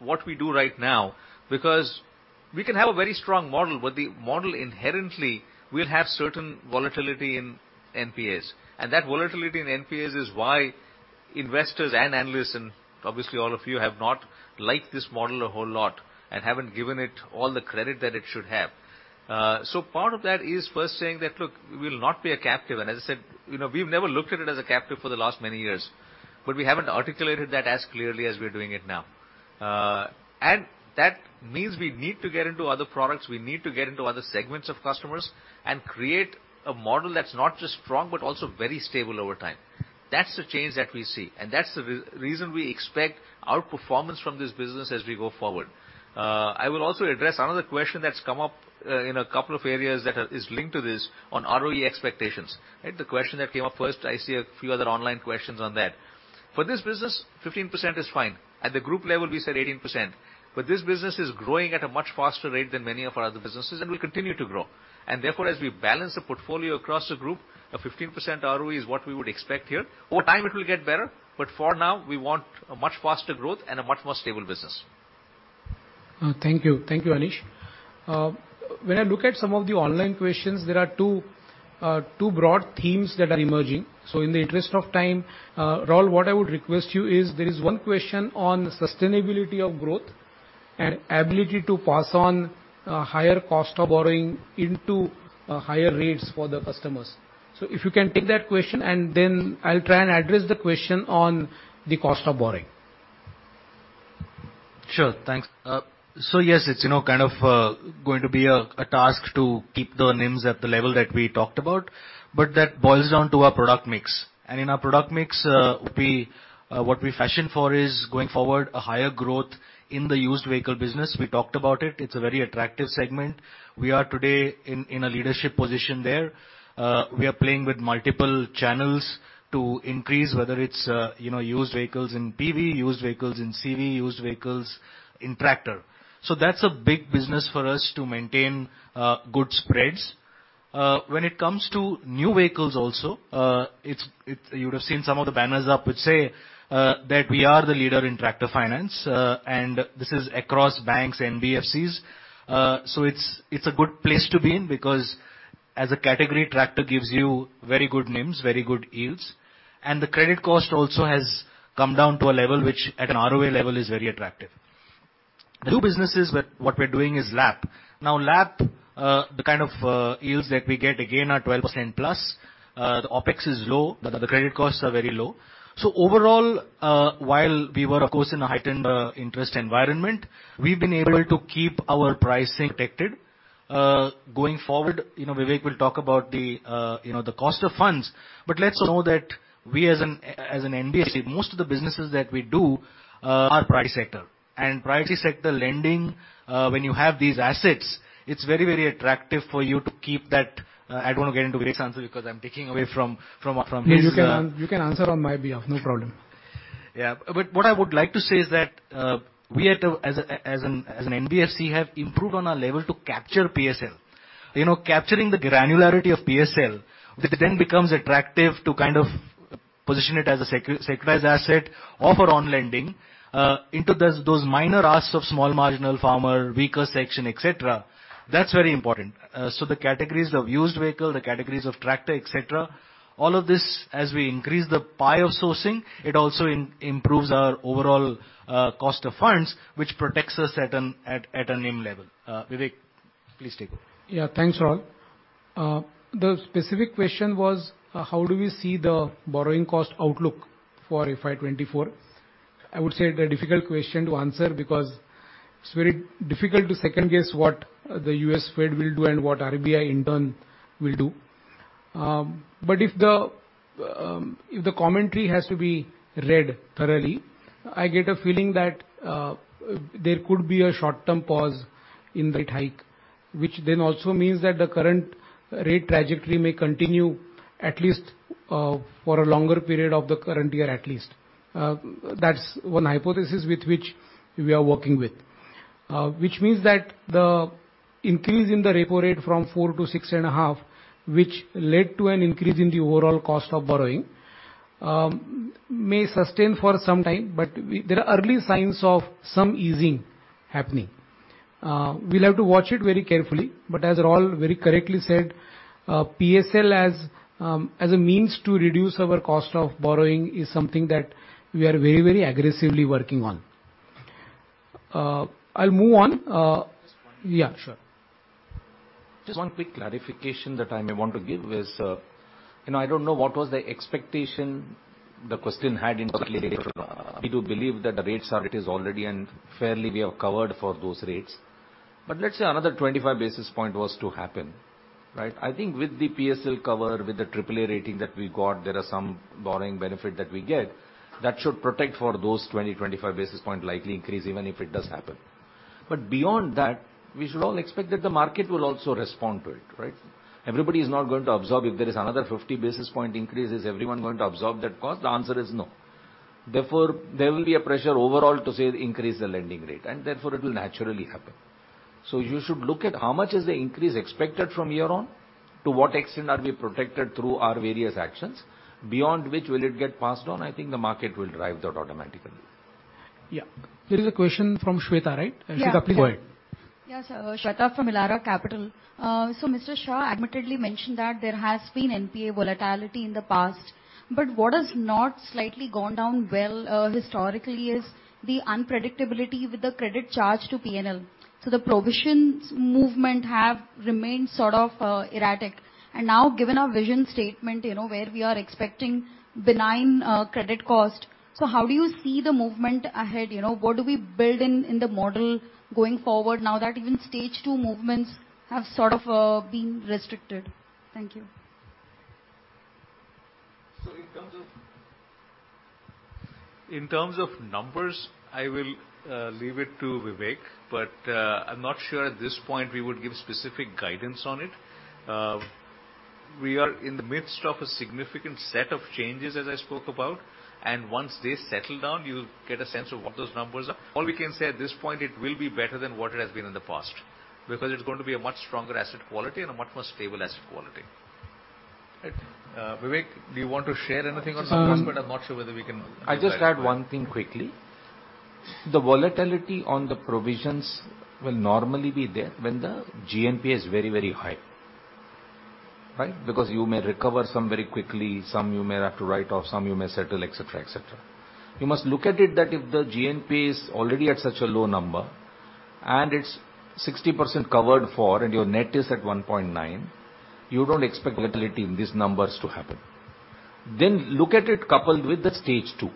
what we do right now, because we can have a very strong model, but the model inherently will have certain volatility in NPAs. That volatility in NPAs is why investors and analysts and obviously all of you have not liked this model a whole lot and haven't given it all the credit that it should have. Part of that is first saying that, "Look, we will not be a captive." And as I said, you know, we've never looked at it as a captive for the last many years, but we haven't articulated that as clearly as we're doing it now. That means we need to get into other products. We need to get into other segments of customers and create a model that's not just strong but also very stable over time. That's the change that we see, and that's the reason we expect outperformance from this business as we go forward. I will also address another question that's come up in a couple of areas that is linked to this on ROE expectations. Right? The question that came up first, I see a few other online questions on that. For this business, 15% is fine. At the group level, we said 18%. This business is growing at a much faster rate than many of our other businesses and will continue to grow. Therefore, as we balance the portfolio across the group, a 15% ROE is what we would expect here. Over time it will get better, but for now, we want a much faster growth and a much more stable business. Thank you. Thank you, Anish. When I look at some of the online questions, there are two broad themes that are emerging. In the interest of time, Raul, what I would request you is there is one question on sustainability of growth and ability to pass on higher cost of borrowing into higher rates for the customers. If you can take that question, and then I'll try and address the question on the cost of borrowing. Sure. Thanks. Yes, it's, you know, kind of going to be a task to keep the NIMs at the level that we talked about, but that boils down to our product mix. In our product mix, what we fashion for is, going forward, a higher growth in the used vehicle business. We talked about it. It's a very attractive segment. We are today in a leadership position there. We are playing with multiple channels to increase, whether it's, you know, used vehicles in PV, used vehicles in CV, used vehicles in tractor. That's a big business for us to maintain good spreads. When it comes to new vehicles also, you would have seen some of the banners up which say that we are the leader in tractor finance. This is across banks and BFSIs. It's a good place to be in because as a category, tractor gives you very good NIMs, very good yields, and the credit cost also has come down to a level which at an ROE level is very attractive. The two businesses where what we're doing is LAP. LAP, the kind of yields that we get again are 12% plus. The OpEx is low, the credit costs are very low. Overall, while we were of course in a heightened interest environment, we've been able to keep our pricing protected. Going forward, you know, Vivek will talk about the, you know, the cost of funds. Let's know that we as an NBFC, most of the businesses that we do, are priority sector. Priority sector lending, when you have these assets, it's very, very attractive for you to keep that. I don't wanna get into Vivek's answer because I'm taking away from his. You can answer on my behalf, no problem. Yeah. What I would like to say is that, we as an NBFC have improved on our level to capture PSL. You know, capturing the granularity of PSL, which then becomes attractive to kind of position it as a securitized asset of or on lending into those minor asks of small marginal farmer, weaker section, et cetera. That's very important. The categories of used vehicle, the categories of tractor, et cetera, all of this, as we increase the pie of sourcing, it also improves our overall cost of funds, which protects us at a NIM level. Vivek, please take it. Yeah. Thanks, Raul. The specific question was, how do we see the borrowing cost outlook for FY 2024? I would say it's a difficult question to answer because it's very difficult to second-guess what the U.S. Fed will do and what RBI in turn will do. If the, if the commentary has to be read thoroughly, I get a feeling that there could be a short-term pause in rate hike, which then also means that the current rate trajectory may continue at least, for a longer period of the current year, at least. That's one hypothesis with which we are working with. Which means that the increase in the repo rate from four to 6.5, which led to an increase in the overall cost of borrowing, may sustain for some time, but we... There are early signs of some easing happening. We'll have to watch it very carefully, as Raul very correctly said, PSL as a means to reduce our cost of borrowing is something that we are very, very aggressively working on. I'll move on. Just one- Yeah, sure. Just one quick clarification that I may want to give is, you know, I don't know what was the expectation the question had. We do believe that the rates are it is already and fairly we have covered for those rates. Let's say another 25 basis point was to happen, right? I think with the PSL cover, with the AAA rating that we got, there are some borrowing benefit that we get that should protect for those 20-25 basis point likely increase even if it does happen. Beyond that, we should all expect that the market will also respond to it, right? Everybody is not going to absorb. If there is another 50 basis point increases, everyone going to absorb that cost? The answer is no. There will be a pressure overall to, say, increase the lending rate, it will naturally happen. You should look at how much is the increase expected from here on, to what extent are we protected through our various actions. Beyond which will it get passed on, I think the market will drive that automatically. Yeah. There is a question from Shweta, right? Yeah. Shweta, go ahead. Yes. Shweta from Elara Capital. Mr. Shah admittedly mentioned that there has been NPA volatility in the past, but what has not slightly gone down well, historically is the unpredictability with the credit charge to P&L. The provisions movement have remained sort of, erratic. Now, given our vision statement, you know, where we are expecting benign, credit cost, so how do you see the movement ahead? You know, what do we build in the model going forward now that even stage two movements have sort of, been restricted? Thank you. In terms of, in terms of numbers, I will leave it to Vivek, but I'm not sure at this point we would give specific guidance on it. We are in the midst of a significant set of changes, as I spoke about, and once they settle down, you'll get a sense of what those numbers are. All we can say at this point, it will be better than what it has been in the past, because it's going to be a much stronger asset quality and a much more stable asset quality. Right. Vivek, do you want to share anything on some aspect? I'm not sure whether we can I'll just add one thing quickly. The volatility on the provisions will normally be there when the GNPA is very, very high, right? You may recover some very quickly, some you may have to write off, some you may settle, et cetera, et cetera. You must look at it that if the GNPA is already at such a low number, and it's 60% covered for, and your net is at 1.9%, you don't expect volatility in these numbers to happen. Look at it coupled with the Stage 2,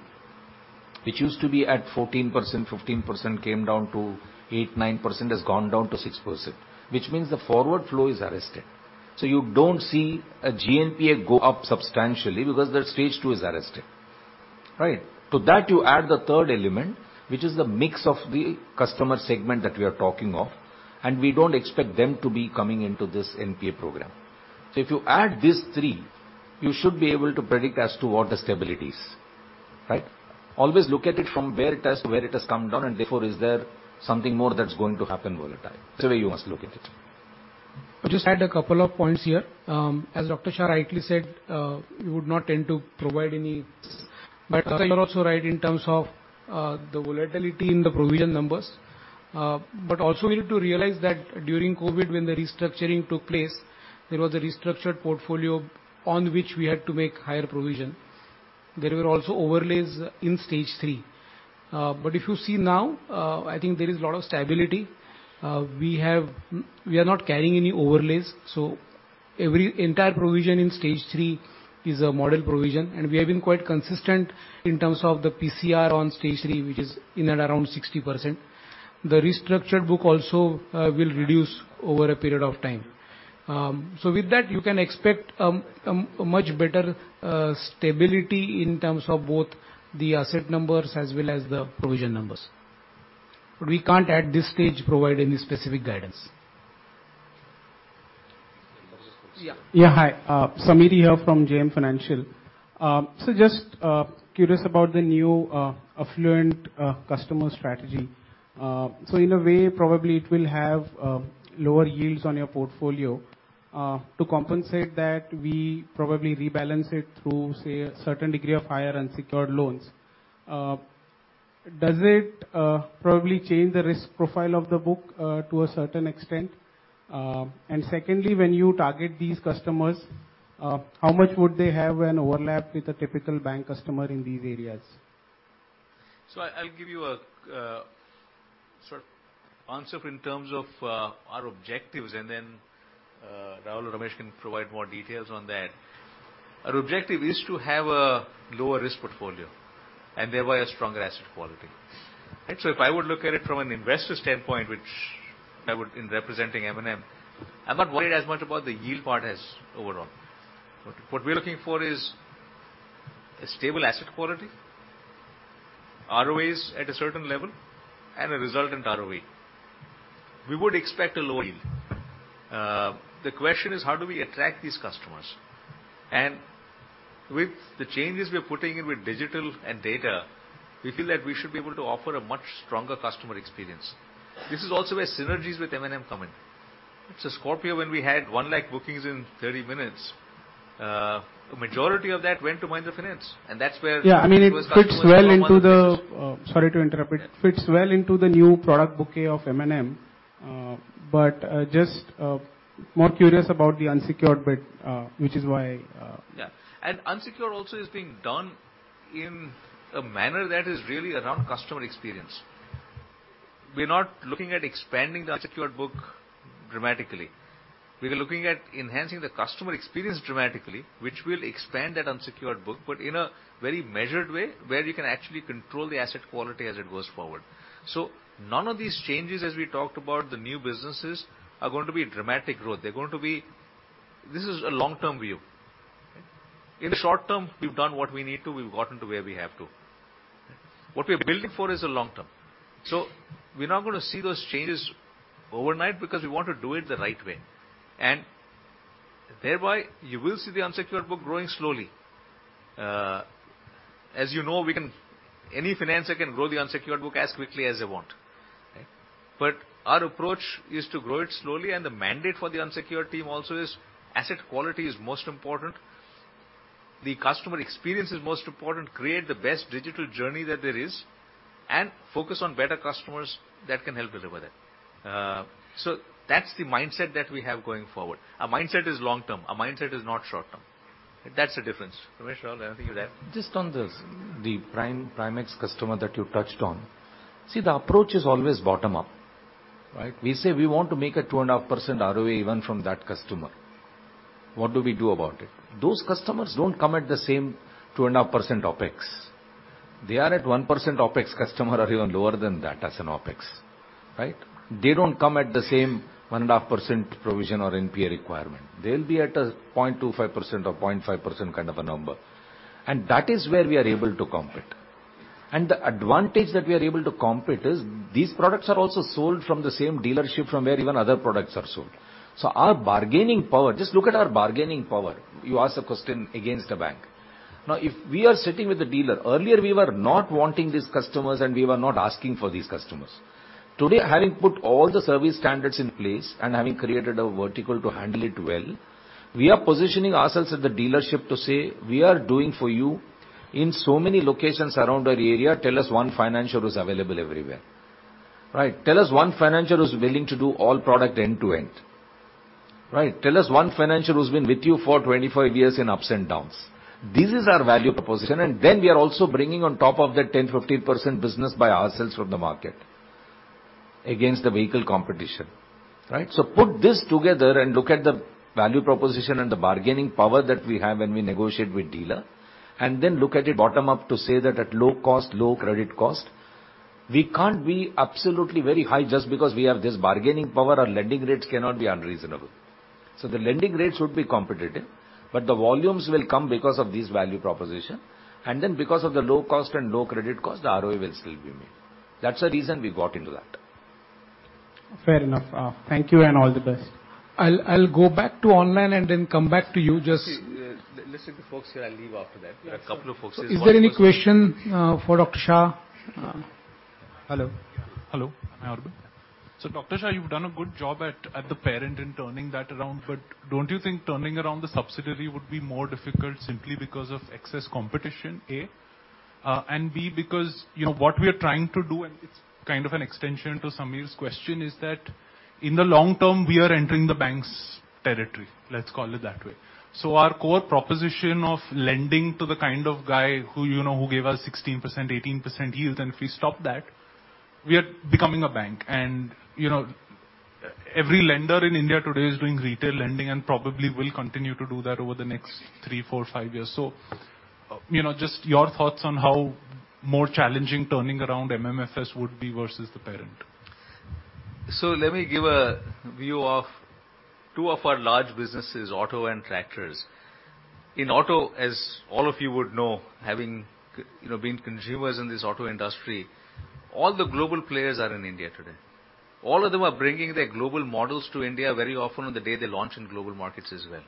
which used to be at 14%, 15%, came down to 8%, 9%, has gone down to 6%, which means the forward flow is arrested. You don't see a GNPA go up substantially because the Stage 2 is arrested, right? You add the third element, which is the mix of the customer segment that we are talking of, and we don't expect them to be coming into this NPA program. If you add these three, you should be able to predict as to what the stability is, right? Always look at it from where it has come down, and therefore is there something more that's going to happen volatile. That's the way you must look at it. I'll just add a couple of points here. As Dr. Shah rightly said, we would not tend to provide any but Raul also right in terms of the volatility in the provision numbers. Also we need to realize that during COVID, when the restructuring took place, there was a restructured portfolio on which we had to make higher provision. There were also overlays in stage three. If you see now, I think there is a lot of stability. We are not carrying any overlays, so every entire provision in stage three is a model provision, and we have been quite consistent in terms of the PCR on stage three, which is in and around 60%. The restructured book also will reduce over a period of time. With that, you can expect a much better stability in terms of both the asset numbers as well as the provision numbers. We can't, at this stage, provide any specific guidance. Yeah. Yeah, hi. Samir here from JM Financial. Just curious about the new affluent customer strategy. In a way, probably it will have lower yields on your portfolio. To compensate that, we probably rebalance it through, say, a certain degree of higher unsecured loans. Does it probably change the risk profile of the book to a certain extent? Secondly, when you target these customers, how much would they have an overlap with a typical bank customer in these areas? I'll give you a sort of answer in terms of our objectives and then Raul or Ramesh can provide more details on that. Our objective is to have a lower risk portfolio and thereby a stronger asset quality. Right. If I would look at it from an investor standpoint, which I would in representing M&M, I'm not worried as much about the yield part as overall. What we are looking for is a stable asset quality, ROAs at a certain level and a resultant ROE. We would expect a low yield. The question is how do we attract these customers? With the changes we're putting in with digital and data, we feel that we should be able to offer a much stronger customer experience. This is also where synergies with M&M come in. It's a Scorpio when we had 1 lakh bookings in 30 minutes, majority of that went to Mahindra Finance. Yeah, I mean, it fits well into the... Sorry to interrupt. It fits well into the new product bouquet of M&M. Just, more curious about the unsecured bit, which is why... Yeah. unsecured also is being done in a manner that is really around customer experience. We're not looking at expanding the unsecured book dramatically. We are looking at enhancing the customer experience dramatically, which will expand that unsecured book, but in a very measured way, where you can actually control the asset quality as it goes forward. none of these changes, as we talked about the new businesses, are going to be a dramatic growth. This is a long-term view. In the short-term, we've done what we need to, we've gotten to where we have to. What we are building for is a long- term. We're not gonna see those changes overnight because we want to do it the right way, and thereby you will see the unsecured book growing slowly. As you know, any financier can grow the unsecured book as quickly as they want. Our approach is to grow it slowly, and the mandate for the unsecured team also is asset quality is most important. The customer experience is most important. Create the best digital journey that there is and focus on better customers that can help deliver that. That's the mindset that we have going forward. Our mindset is long-term. Our mindset is not short-term. That's the difference. Ramesh, anything to add? Just on this, the Prime-Prime X customer that you touched on. The approach is always bottom-up, right? We say we want to make a 2.5% ROE even from that customer. What do we do about it? Those customers don't come at the same 2.5% OpEx. They are at 1% OpEx customer or even lower than that as an OpEx, right? They don't come at the same 1.5% provision or NPA requirement. They'll be at a 0.25% or 0.5% kind of a number. That is where we are able to compete. The advantage that we are able to compete is these products are also sold from the same dealership from where even other products are sold. Our bargaining power, just look at our bargaining power. You ask a question against a bank. If we are sitting with the dealer, earlier, we were not wanting these customers and we were not asking for these customers. Today, having put all the service standards in place and having created a vertical to handle it well, we are positioning ourselves at the dealership to say, "We are doing for you in so many locations around our area. Tell us one financial who's available everywhere." Right? "Tell us one financial who's willing to do all product end-to-end." Right? "Tell us one financial who's been with you for 25 years in ups and downs." This is our value proposition. We are also bringing on top of that 10%, 15% business by ourselves from the market against the vehicle competition, right? Put this together and look at the value proposition and the bargaining power that we have when we negotiate with dealer, look at it bottom up to say that at low cost, low credit cost, we can't be absolutely very high just because we have this bargaining power. Our lending rates cannot be unreasonable. The lending rates would be competitive, but the volumes will come because of this value proposition. Because of the low cost and low credit cost, the ROE will still be made. That's the reason we got into that. Fair enough. Thank you and all the best. I'll go back to online and then come back to you. Let's take the folks here. I'll leave after that. A couple of folks. Is there any question, for Dr. Shah? Hello. Hello. I'm Arvind. Dr. Shah, you've done a good job at the parent in turning that around. Don't you think turning around the subsidiary would be more difficult simply because of excess competition, A, and B, because, you know, what we are trying to do, and it's kind of an extension to Samir's question, is that in the long-term, we are entering the bank's territory, let's call it that way. Our core proposition of lending to the kind of guy who, you know, who gave us 16%, 18% yield, and if we stop that, we are becoming a bank. You know, every lender in India today is doing retail lending and probably will continue to do that over the next three, four, five years. You know, just your thoughts on how more challenging turning around MMFS would be versus the parent? Let me give a view of two of our large businesses, auto and tractors. In auto, as all of you would know, having, you know, been consumers in this auto industry, all the global players are in India today. All of them are bringing their global models to India very often on the day they launch in global markets as well.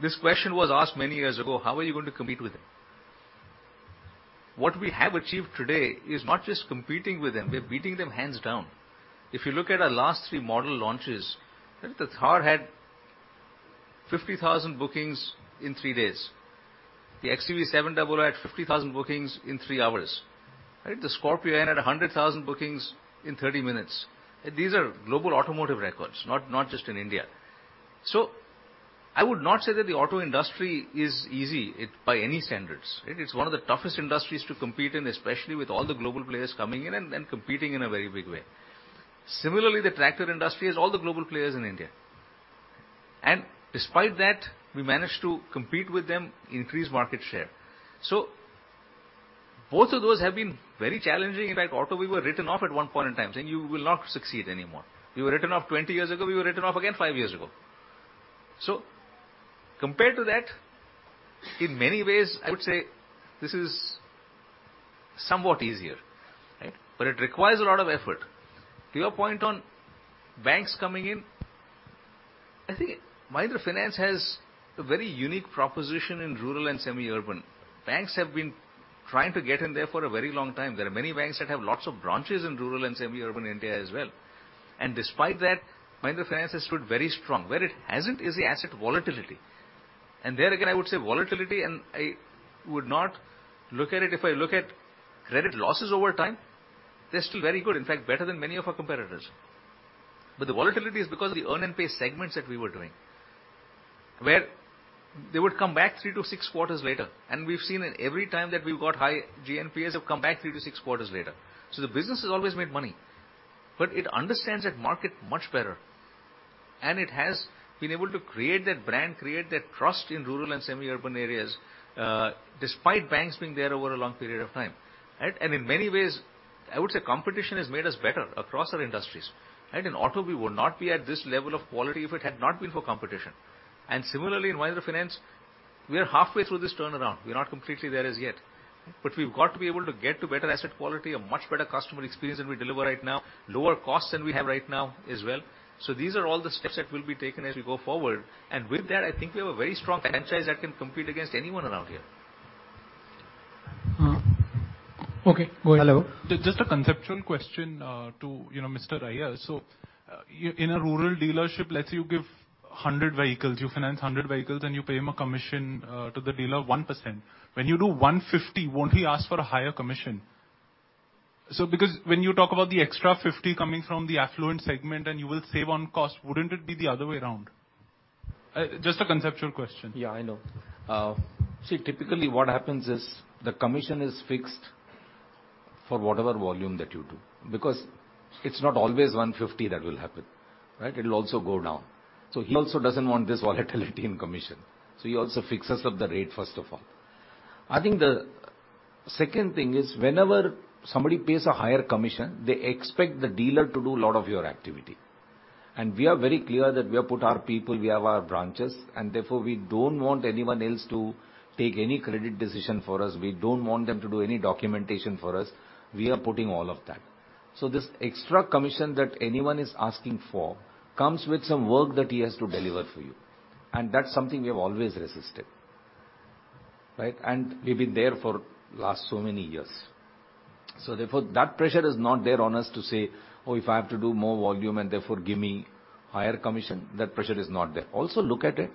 This question was asked many years ago, how are you going to compete with them? What we have achieved today is not just competing with them, we are beating them hands down. If you look at our last three model launches, the Thar had 50,000 bookings in three days. The XUV700 had 50,000 bookings in three hours. Right? The Scorpio-N had 100,000 bookings in 30 minutes. These are global automotive records, not just in India. I would not say that the auto industry is easy by any standards. It is one of the toughest industries to compete in, especially with all the global players coming in and competing in a very big way. Similarly, the tractor industry has all the global players in India. Despite that, we managed to compete with them, increase market share. Both of those have been very challenging. In fact, auto, we were written off at one point in time, saying you will not succeed anymore. We were written off 20 years ago. We were written off again five years ago. Compared to that, in many ways, I would say this is somewhat easier, right? It requires a lot of effort. To your point on banks coming in I think Mahindra Finance has a very unique proposition in rural and semi-urban. Banks have been trying to get in there for a very long time. There are many banks that have lots of branches in rural and semi-urban India as well. Despite that, Mahindra Finance has stood very strong. Where it hasn't is the asset volatility. There again, I would say volatility, and I would not look at it if I look at credit losses over time, they're still very good. In fact, better than many of our competitors. The volatility is because the earn and pay segments that we were doing, where they would come back three to six quarters later, and we've seen it every time that we've got high GNPAs have come back three to six quarters later. The business has always made money, but it understands that market much better, and it has been able to create that brand, create that trust in rural and semi-urban areas, despite banks being there over a long period of time. Right? In many ways, I would say competition has made us better across our industries. Right? In auto, we would not be at this level of quality if it had not been for competition. Similarly, in Mahindra Finance, we are halfway through this turnaround. We're not completely there as yet, but we've got to be able to get to better asset quality, a much better customer experience than we deliver right now, lower costs than we have right now as well. These are all the steps that will be taken as we go forward. With that, I think we have a very strong franchise that can compete against anyone around here. Okay. Go ahead. Hello. Just a conceptual question, you know, Mr. Iyer. In a rural dealership, let's say you give 100 vehicles, you finance 100 vehicles, and you pay him a commission to the dealer of 1%. When you do 150, won't he ask for a higher commission? Because when you talk about the extra 50 coming from the affluent segment and you will save on cost, wouldn't it be the other way around? Just a conceptual question. Yeah, I know. See, typically what happens is the commission is fixed for whatever volume that you do, because it's not always 150 that will happen, right? It'll also go down. He also doesn't want this volatility in commission, so he also fixes up the rate, first of all. I think the second thing is whenever somebody pays a higher commission, they expect the dealer to do a lot of your activity. We are very clear that we have put our people, we have our branches, and therefore, we don't want anyone else to take any credit decision for us. We don't want them to do any documentation for us. We are putting all of that. This extra commission that anyone is asking for comes with some work that he has to deliver for you, and that's something we have always resisted, right? We've been there for last so many years. Therefore, that pressure is not there on us to say, "Oh, if I have to do more volume, and therefore give me higher commission." That pressure is not there. Look at it.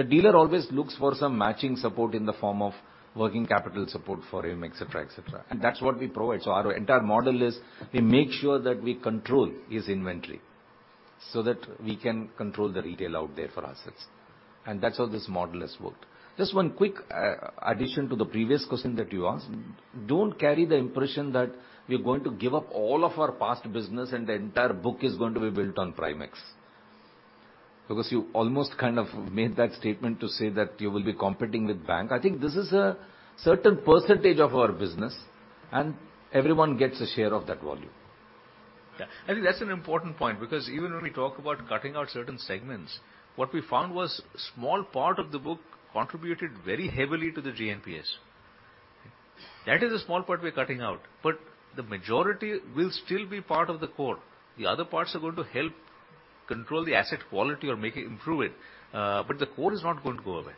The dealer always looks for some matching support in the form of working capital support for him, et cetera. That's what we provide. Our entire model is we make sure that we control his inventory so that we can control the retail out there for ourselves. That's how this model has worked. Just one quick addition to the previous question that you asked. Don't carry the impression that we're going to give up all of our past business and the entire book is going to be built on Primax. You almost kind of made that statement to say that you will be competing with bank. I think this is a certain % of our business and everyone gets a share of that volume. Yeah. I think that's an important point because even when we talk about cutting out certain segments, what we found was a small part of the book contributed very heavily to the GNPA. That is the small part we're cutting out. The majority will still be part of the core. The other parts are going to help control the asset quality or make it improve it, but the core is not going to go away.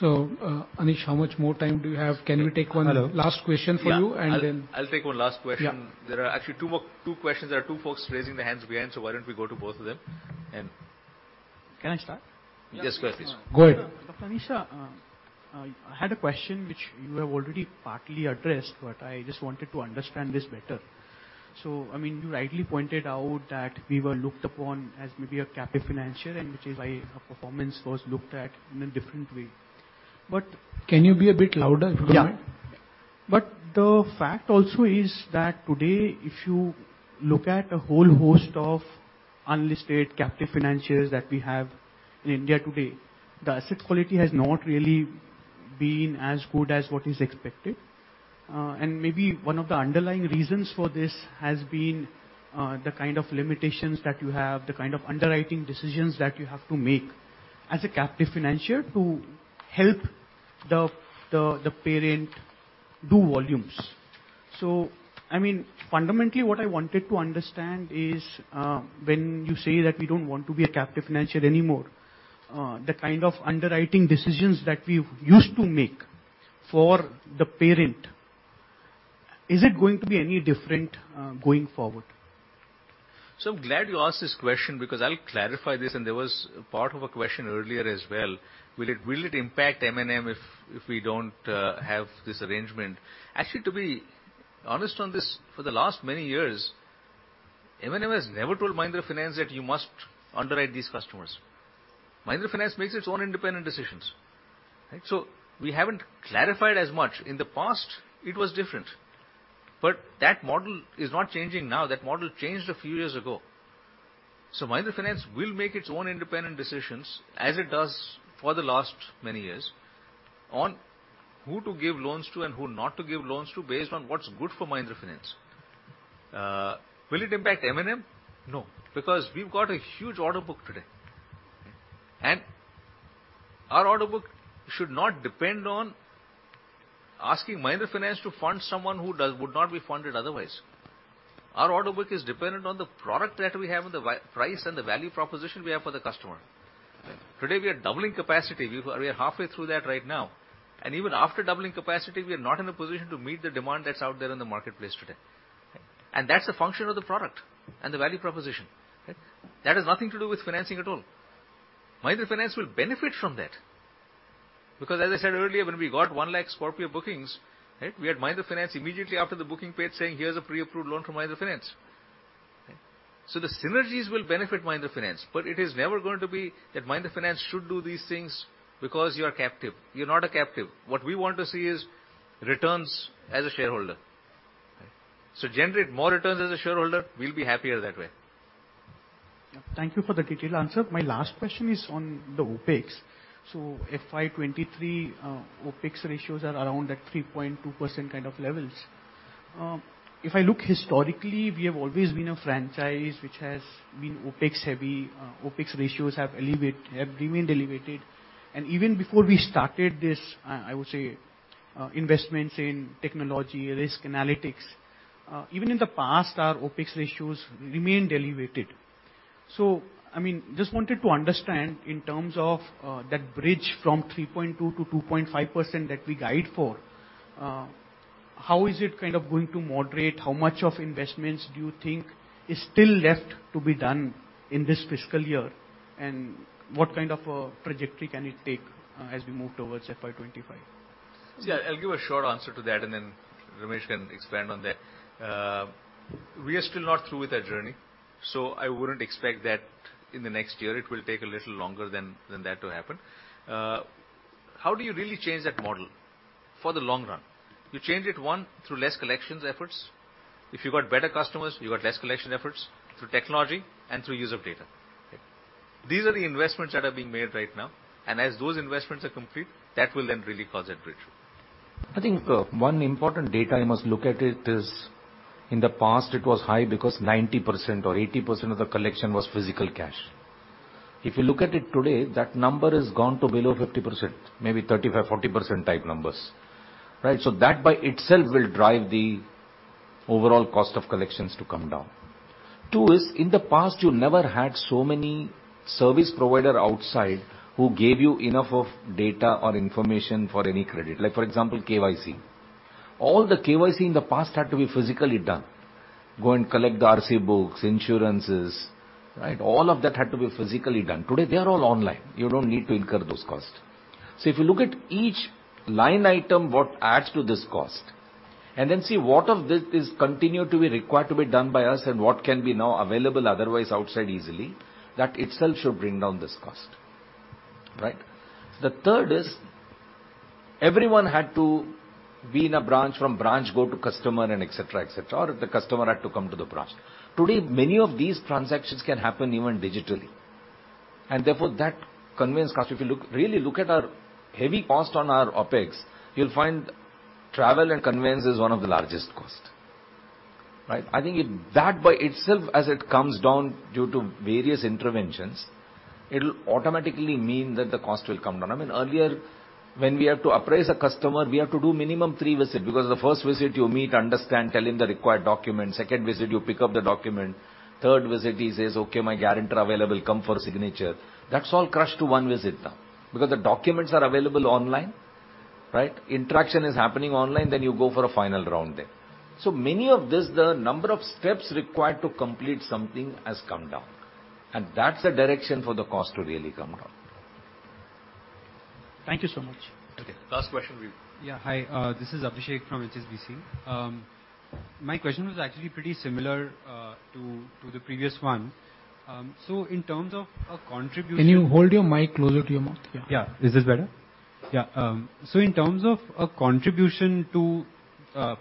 Anish, how much more time do you have? How much more time do you have? Can we take one last question for you and then? I'll take one last question. Yeah. There are actually two more, two questions. There are two folks raising their hands behind, why don't we go to both of them and. Can I start? Yes, go ahead, please. Go ahead. Dr. Anish, I had a question which you have already partly addressed, but I just wanted to understand this better. I mean, you rightly pointed out that we were looked upon as maybe a captive financier, and which is why our performance was looked at in a different way. Can you be a bit louder if you don't mind? Yeah. The fact also is that today, if you look at a whole host of unlisted captive financials that we have in India today, the asset quality has not really been as good as what is expected. Maybe one of the underlying reasons for this has been the kind of limitations that you have, the kind of underwriting decisions that you have to make as a captive financier to help the parent do volumes. I mean, fundamentally, what I wanted to understand is, when you say that we don't want to be a captive financier anymore, the kind of underwriting decisions that we used to make for the parent, is it going to be any different, going forward? Glad you asked this question because I'll clarify this, and there was part of a question earlier as well. Will it impact M&M if we don't have this arrangement? Actually, to be honest on this, for the last many years, M&M has never told Mahindra Finance that you must underwrite these customers. Mahindra Finance makes its own independent decisions. Right? We haven't clarified as much. In the past, it was different, but that model is not changing now. That model changed a few years ago. Mahindra Finance will make its own independent decisions, as it does for the last many years, on who to give loans to and who not to give loans to based on what's good for Mahindra Finance. Will it impact M&M? No, because we've got a huge order book today. Okay? Our order book should not depend on asking Mahindra Finance to fund someone who would not be funded otherwise. Our order book is dependent on the product that we have and the price and the value proposition we have for the customer. Okay. Today, we are doubling capacity. We are halfway through that right now. Even after doubling capacity, we are not in a position to meet the demand that's out there in the marketplace today. Okay. That's a function of the product and the value proposition. Okay? That has nothing to do with financing at all. Mahindra Finance will benefit from that because as I said earlier, when we got one lakh Scorpio bookings, right, we had Mahindra Finance immediately after the booking page saying, "Here's a pre-approved loan from Mahindra Finance." Okay? The synergies will benefit Mahindra Finance, but it is never going to be that Mahindra Finance should do these things because you are captive. You're not a captive. What we want to see is returns as a shareholder. Okay? Generate more returns as a shareholder, we'll be happier that way. Thank you for the detailed answer. My last question is on the OpEx. FY 2023 OpEx ratios are around that 3.2% kind of levels. If I look historically, we have always been a franchise which has been OpEx heavy. OpEx ratios have remained elevated. Even before we started this, I would say, investments in technology, risk analytics, even in the past, our OpEx ratios remained elevated. I mean, just wanted to understand in terms of that bridge from 3.2%-2.5% that we guide for, how is it kind of going to moderate? How much of investments do you think is still left to be done in this fiscal year? What kind of a trajectory can it take as we move towards FY 2025? I'll give a short answer to that and then Ramesh can expand on that. We are still not through with that journey, so I wouldn't expect that in the next year. It will take a little longer than that to happen. How do you really change that model for the long run? You change it, one, through less collections efforts. If you've got better customers, you've got less collection efforts through technology and through use of data. Okay? These are the investments that are being made right now, and as those investments are complete, that will then really cause that bridge. Okay. I think one important data you must look at it is in the past it was high because 90% or 80% of the collection was physical cash. If you look at it today, that number has gone to below 50%, maybe 35, 40% type numbers, right? That by itself will drive the overall cost of collections to come down. Two is, in the past you never had so many service provider outside who gave you enough of data or information for any credit. Like for example, KYC. All the KYC in the past had to be physically done. Go and collect the RC books, insurances, right? All of that had to be physically done. Today, they are all online. You don't need to incur those costs. If you look at each line item, what adds to this cost, and then see what of this is continued to be required to be done by us and what can be now available otherwise outside easily, that itself should bring down this cost, right. The third is everyone had to be in a branch, from branch go to customer and etcetera, or the customer had to come to the branch. Today, many of these transactions can happen even digitally, and therefore that conveyance cost. If you look, really look at our heavy cost on our OpEx, you'll find travel and conveyance is one of the largest cost, right. I think that by itself as it comes down due to various interventions, it'll automatically mean that the cost will come down. I mean, earlier, when we have to appraise a customer, we have to do minimum three visit because the first visit you meet, understand, tell him the required document. Second visit, you pick up the document. Third visit, he says, "Okay, my guarantor available. Come for a signature." That's all crushed to one visit now because the documents are available online, right? Interaction is happening online, then you go for a final round there. Many of this, the number of steps required to complete something has come down, and that's the direction for the cost to really come down. Thank you so much. Okay. Last question. Yeah. Hi, this is Abhishek from HSBC. My question was actually pretty similar to the previous one. In terms of a contribution- Can you hold your mic closer to your mouth? Yeah. Yeah. Is this better? Yeah. In terms of a contribution to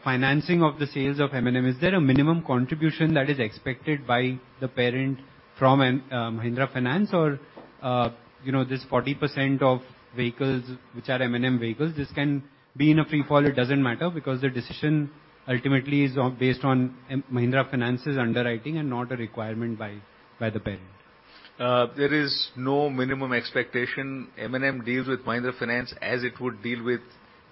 financing of the sales of M&M, is there a minimum contribution that is expected by the parent from Mahindra Finance or, you know, this 40% of vehicles which are M&M vehicles, this can be in a free fall, it doesn't matter because the decision ultimately is based on Mahindra Finance's underwriting and not a requirement by the parent. There is no minimum expectation. M&M deals with Mahindra Finance as it would deal with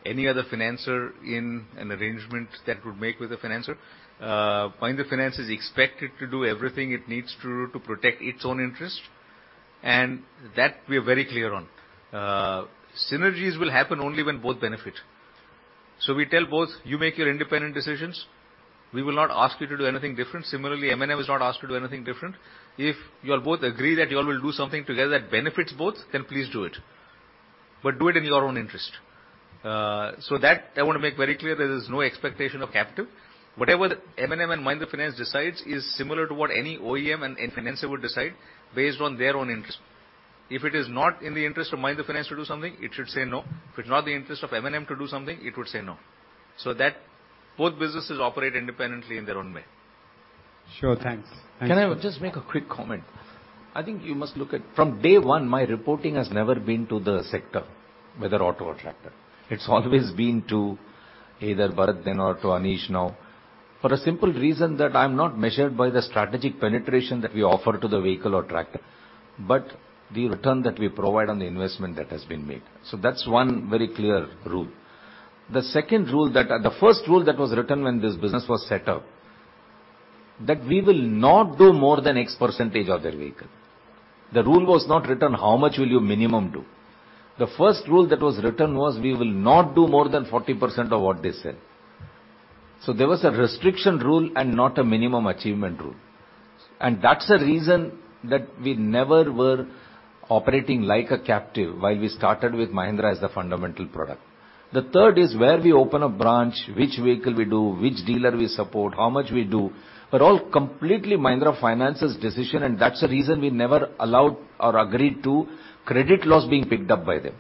any other financer in an arrangement that would make with a financer. Mahindra Finance is expected to do everything it needs to protect its own interest, and that we are very clear on. Synergies will happen only when both benefit. We tell both, "You make your independent decisions. We will not ask you to do anything different." Similarly, M&M is not asked to do anything different. If you all both agree that you all will do something together that benefits both, then please do it. Do it in your own interest. That I want to make very clear there is no expectation of captive. Whatever M&M and Mahindra Finance decides is similar to what any OEM and any financer would decide based on their own interest. If it is not in the interest of Mahindra Finance to do something, it should say no. If it's not in the interest of M&M to do something, it would say no. That both businesses operate independently in their own way. Sure. Thanks. Thank you. Can I just make a quick comment? I think you must look at. From day one, my reporting has never been to the sector, whether auto or tractor. It's always been to either Bharat then or to Anish now. For a simple reason that I'm not measured by the strategic penetration that we offer to the vehicle or tractor, but the return that we provide on the investment that has been made. That's one very clear rule. The first rule that was written when this business was set up, that we will not do more than X% of their vehicle. The rule was not written how much will you minimum do. The first rule that was written was we will not do more than 40% of what they sell. There was a restriction rule and not a minimum achievement rule. That's the reason that we never were operating like a captive while we started with Mahindra as the fundamental product. The third is where we open a branch, which vehicle we do, which dealer we support, how much we do, are all completely Mahindra Finance's decision. That's the reason we never allowed or agreed to credit loss being picked up by them.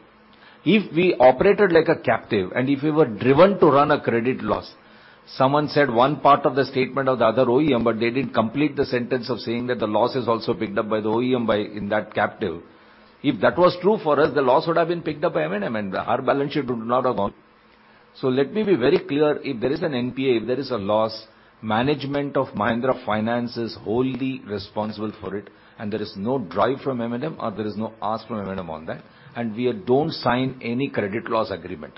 If we operated like a captive, and if we were driven to run a credit loss, someone said one part of the statement of the other OEM, but they didn't complete the sentence of saying that the loss is also picked up by the OEM by in that captive. If that was true for us, the loss would have been picked up by M&M and our balance sheet would not have gone. Let me be very clear. If there is an NPA, if there is a loss, management of Mahindra Finance is wholly responsible for it. There is no drive from M&M or there is no ask from M&M on that. We don't sign any credit loss agreement.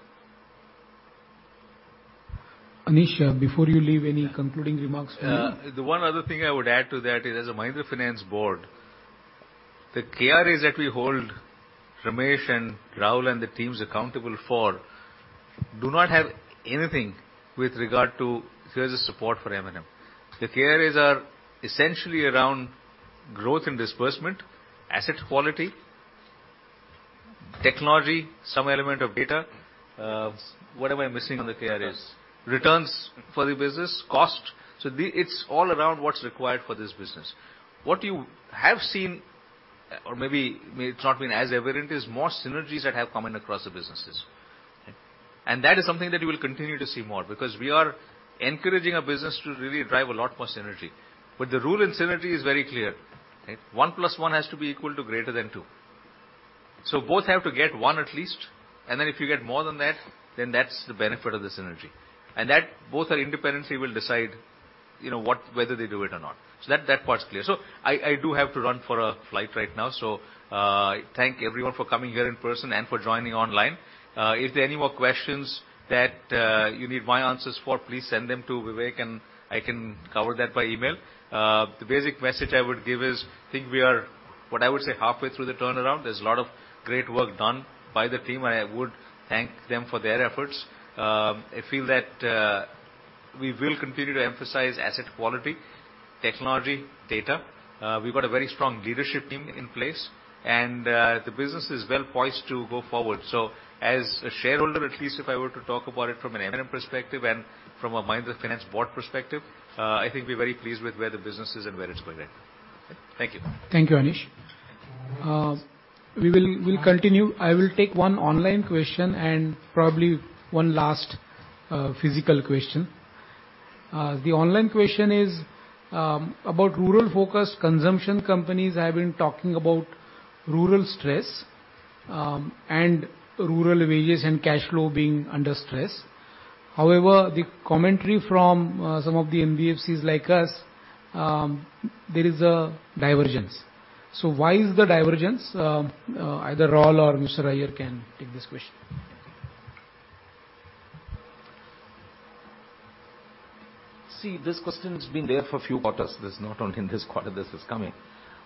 Anish, before you leave, any concluding remarks for me? The one other thing I would add to that is, as a Mahindra Finance board, the KRAs that we hold Ramesh and Raul and the teams accountable for do not have anything with regard to financial support for M&M. The KRAs are essentially around growth and disbursement, asset quality, technology, some element of data. What am I missing on the KRAs? Returns. Returns for the business, cost. It's all around what's required for this business. What you have seen, or maybe it's not been as evident, is more synergies that have come in across the businesses. That is something that you will continue to see more, because we are encouraging a business to really drive a lot more synergy. The rule in synergy is very clear. one plus one has to be equal to greater than two. Both have to get 1 at least, and then if you get more than that, then that's the benefit of the synergy. That both are independently will decide, you know, what, whether they do it or not. That, that part's clear. I do have to run for a flight right now, so, thank everyone for coming here in person and for joining online. If there are any more questions that you need my answers for, please send them to Vivek and I can cover that by email. The basic message I would give is, I think we are, what I would say, halfway through the turnaround. There's a lot of great work done by the team. I would thank them for their efforts. I feel that we will continue to emphasize asset quality, technology, data. We've got a very strong leadership team in place, and the business is well poised to go forward. As a shareholder, at least if I were to talk about it from an M&M perspective and from a Mahindra Finance board perspective, I think we're very pleased with where the business is and where it's going at. Thank you. Thank you, Anish. We'll continue. I will take one online question and probably one last physical question. The online question is about rural-focused consumption companies have been talking about rural stress and rural wages and cash flow being under stress. However, the commentary from some of the NBFCs like us, there is a divergence. Why is the divergence? Either Raul or Mr. Iyer can take this question. See, this question's been there for a few quarters. This is not only in this quarter, this is coming.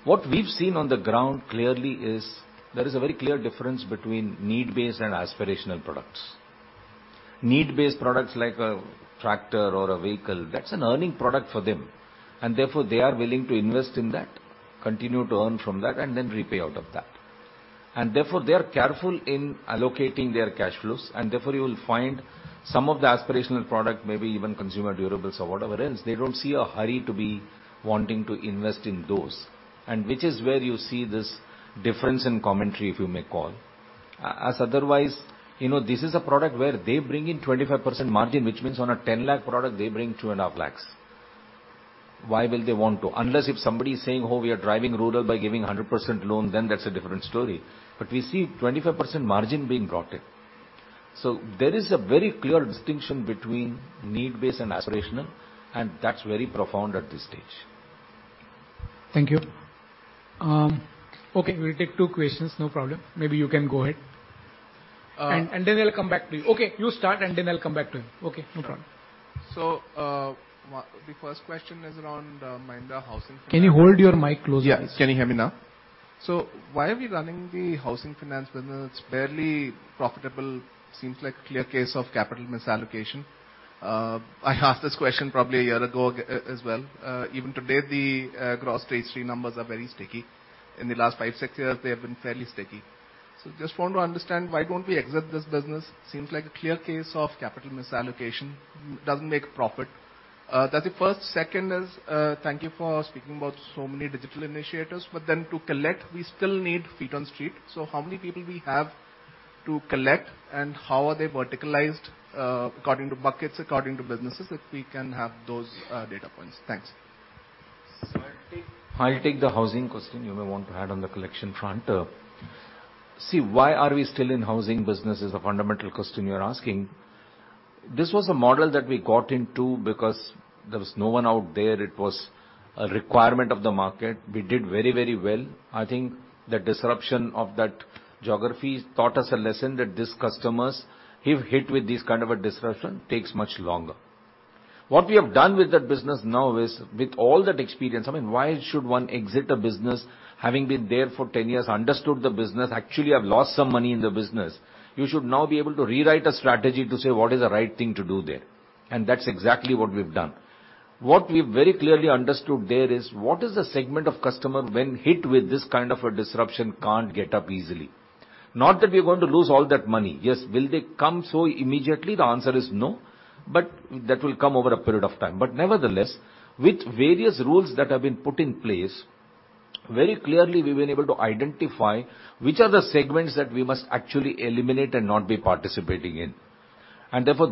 What we've seen on the ground clearly is there is a very clear difference between need-based and aspirational products. Need-based products like a tractor or a vehicle, that's an earning product for them, and therefore they are willing to invest in that, continue to earn from that, and then repay out of that. Therefore, you will find some of the aspirational product, maybe even consumer durables or whatever else, they don't see a hurry to be wanting to invest in those. Which is where you see this difference in commentary, if you may call. Otherwise, you know, this is a product where they bring in 25% margin, which means on a 10 lakh product, they bring 2.5 lakh. Why will they want to? Unless if somebody is saying, "Oh, we are driving rural by giving 100% loan," then that's a different story. We see 25% margin being brought in. There is a very clear distinction between need-based and aspirational, and that's very profound at this stage. Thank you. Okay, we'll take two questions, no problem. Maybe you can go ahead. Uh- Then I'll come back to you. Okay, you start, and then I'll come back to him. Okay, no problem. Sure. The first question is around Mahindra Housing Finance. Can you hold your mic close please? Can you hear me now? Why are we running the housing finance business? It's barely profitable. Seems like a clear case of capital misallocation. I asked this question probably a year ago as well. Even today, the gross stage three numbers are very sticky. In the last five, six years, they have been fairly sticky. Just want to understand why don't we exit this business? Seems like a clear case of capital misallocation. Doesn't make profit. That's the first. Second is, thank you for speaking about so many digital initiatives, to collect, we still need feet on street. How many people we have to collect and how are they verticalized according to buckets, according to businesses, if we can have those data points? Thanks. I'll take the housing question. You may want to add on the collection front. Why are we still in housing business is the fundamental question you're asking. This was a model that we got into because there was no one out there. It was a requirement of the market. We did very, very well. I think the disruption of that geography taught us a lesson that these customers, if hit with this kind of a disruption, takes much longer. What we have done with that business now is with all that experience, I mean, why should one exit a business having been there for 10 years, understood the business, actually have lost some money in the business? You should now be able to rewrite a strategy to say, what is the right thing to do there. That's exactly what we've done. What we've very clearly understood there is what is the segment of customer when hit with this kind of a disruption can't get up easily. Not that we're going to lose all that money. Yes. Will they come so immediately? The answer is no, but that will come over a period of time. Nevertheless, with various rules that have been put in place, very clearly we've been able to identify which are the segments that we must actually eliminate and not be participating in.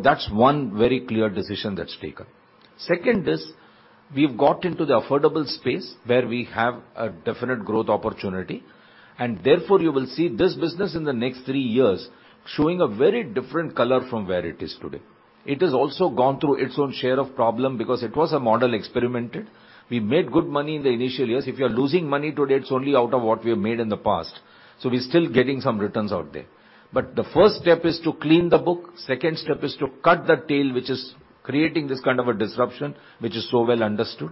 That's one very clear decision that's taken. Second is we've got into the affordable space where we have a definite growth opportunity, and therefore you will see this business in the next three years showing a very different color from where it is today. It has also gone through its own share of problem because it was a model experimented. We made good money in the initial years. If you are losing money today, it's only out of what we have made in the past. We're still getting some returns out there. The first step is to clean the book. Second step is to cut the tail, which is creating this kind of a disruption, which is so well understood.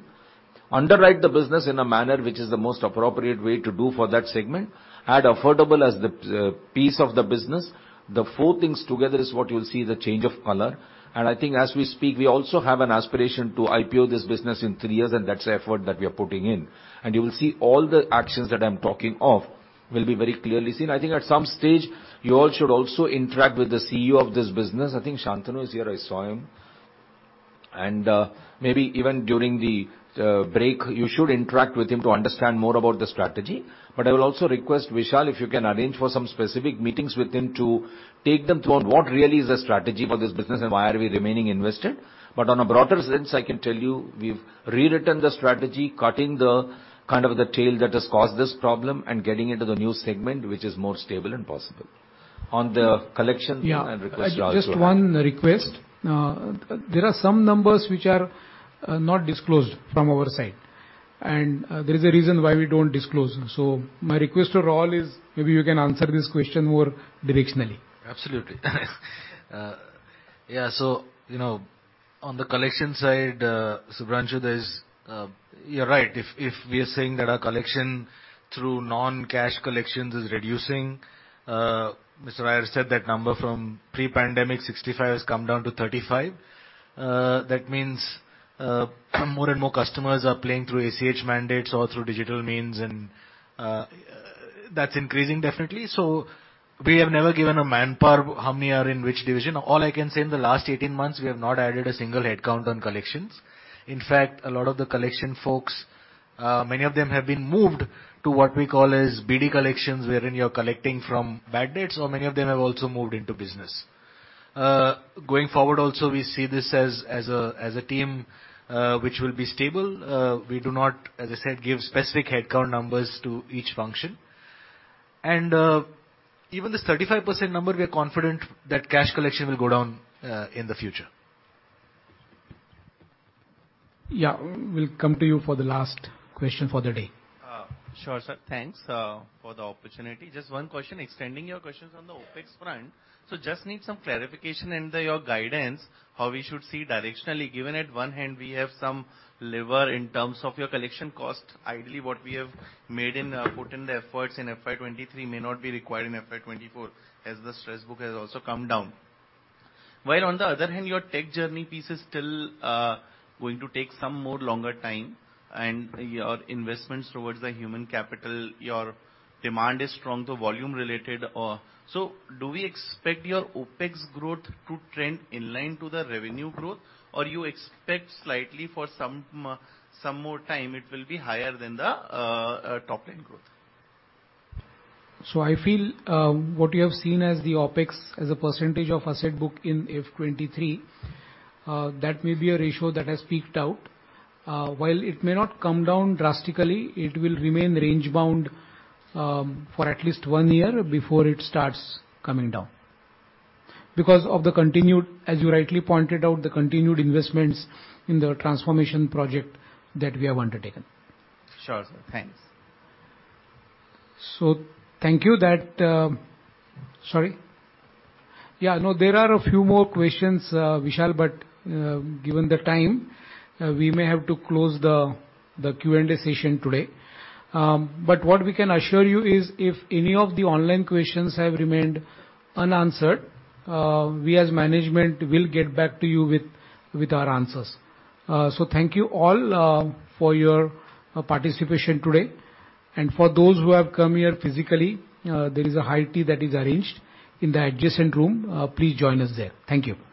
Underwrite the business in a manner which is the most appropriate way to do for that segment. Add affordable as the piece of the business. The four things together is what you will see the change of color. I think as we speak, we also have an aspiration to IPO this business in three years, and that's the effort that we are putting in. You will see all the actions that I'm talking of will be very clearly seen. I think at some stage you all should also interact with the CEO of this business. I think Shantanu is here. I saw him. Maybe even during the break, you should interact with him to understand more about the strategy. I will also request, Vishal, if you can arrange for some specific meetings with him to take them through on what really is the strategy for this business and why are we remaining invested. On a broader sense, I can tell you we've rewritten the strategy, cutting the tail that has caused this problem and getting into the new segment, which is more stable and possible. On the collection and request- Yeah. I'll just- Just one request. There are some numbers which are not disclosed from our side, and there is a reason why we don't disclose them. My request to Raul is maybe you can answer this question more directionally. Absolutely. So, you know, on the collection side, Subhrajyoti, you're right. If we are saying that our collection through non-cash collections is reducing, Mr. Iyer said that number from pre-pandemic 65 has come down to 35. That means more and more customers are playing through ACH mandates or through digital means, and that's increasing definitely. We have never given a manpower, how many are in which division. All I can say, in the last 18 months, we have not added a single headcount on collections. In fact, a lot of the collection folks, many of them have been moved to what we call as BD collections, wherein you're collecting from bad debts, or many of them have also moved into business. Going forward also, we see this as a team, which will be stable. We do not, as I said, give specific headcount numbers to each function. Even this 35% number, we are confident that cash collection will go down in the future. Yeah. We'll come to you for the last question for the day. Sure, sir. Thanks for the opportunity. Just one question, extending your questions on the OpEx front. Just need some clarification and your guidance, how we should see directionally, given at one hand we have some lever in terms of your collection cost. Ideally, what we have made in, put in the efforts in FY 2023 may not be required in FY 2024 as the stress book has also come down. While on the other hand, your tech journey piece is still going to take some more longer time and your investments towards the human capital, your demand is strong, so volume related. Do we expect your OpEx growth to trend in line to the revenue growth, or you expect slightly for some more time it will be higher than the top-line growth? I feel, what you have seen as the OpEx as a percentage of asset book in FY23, that may be a ratio that has peaked out. While it may not come down drastically, it will remain range bound for at least one year before it starts coming down because of the continued, as you rightly pointed out, the continued investments in the transformation project that we have undertaken. Sure, sir. Thanks. Thank you. That... Sorry? Yeah, no, there are a few more questions, Vishal, but given the time, we may have to close the Q&A session today. What we can assure you is if any of the online questions have remained unanswered, we as management will get back to you with our answers. Thank you all for your participation today. For those who have come here physically, there is a high tea that is arranged in the adjacent room. Please join us there. Thank you.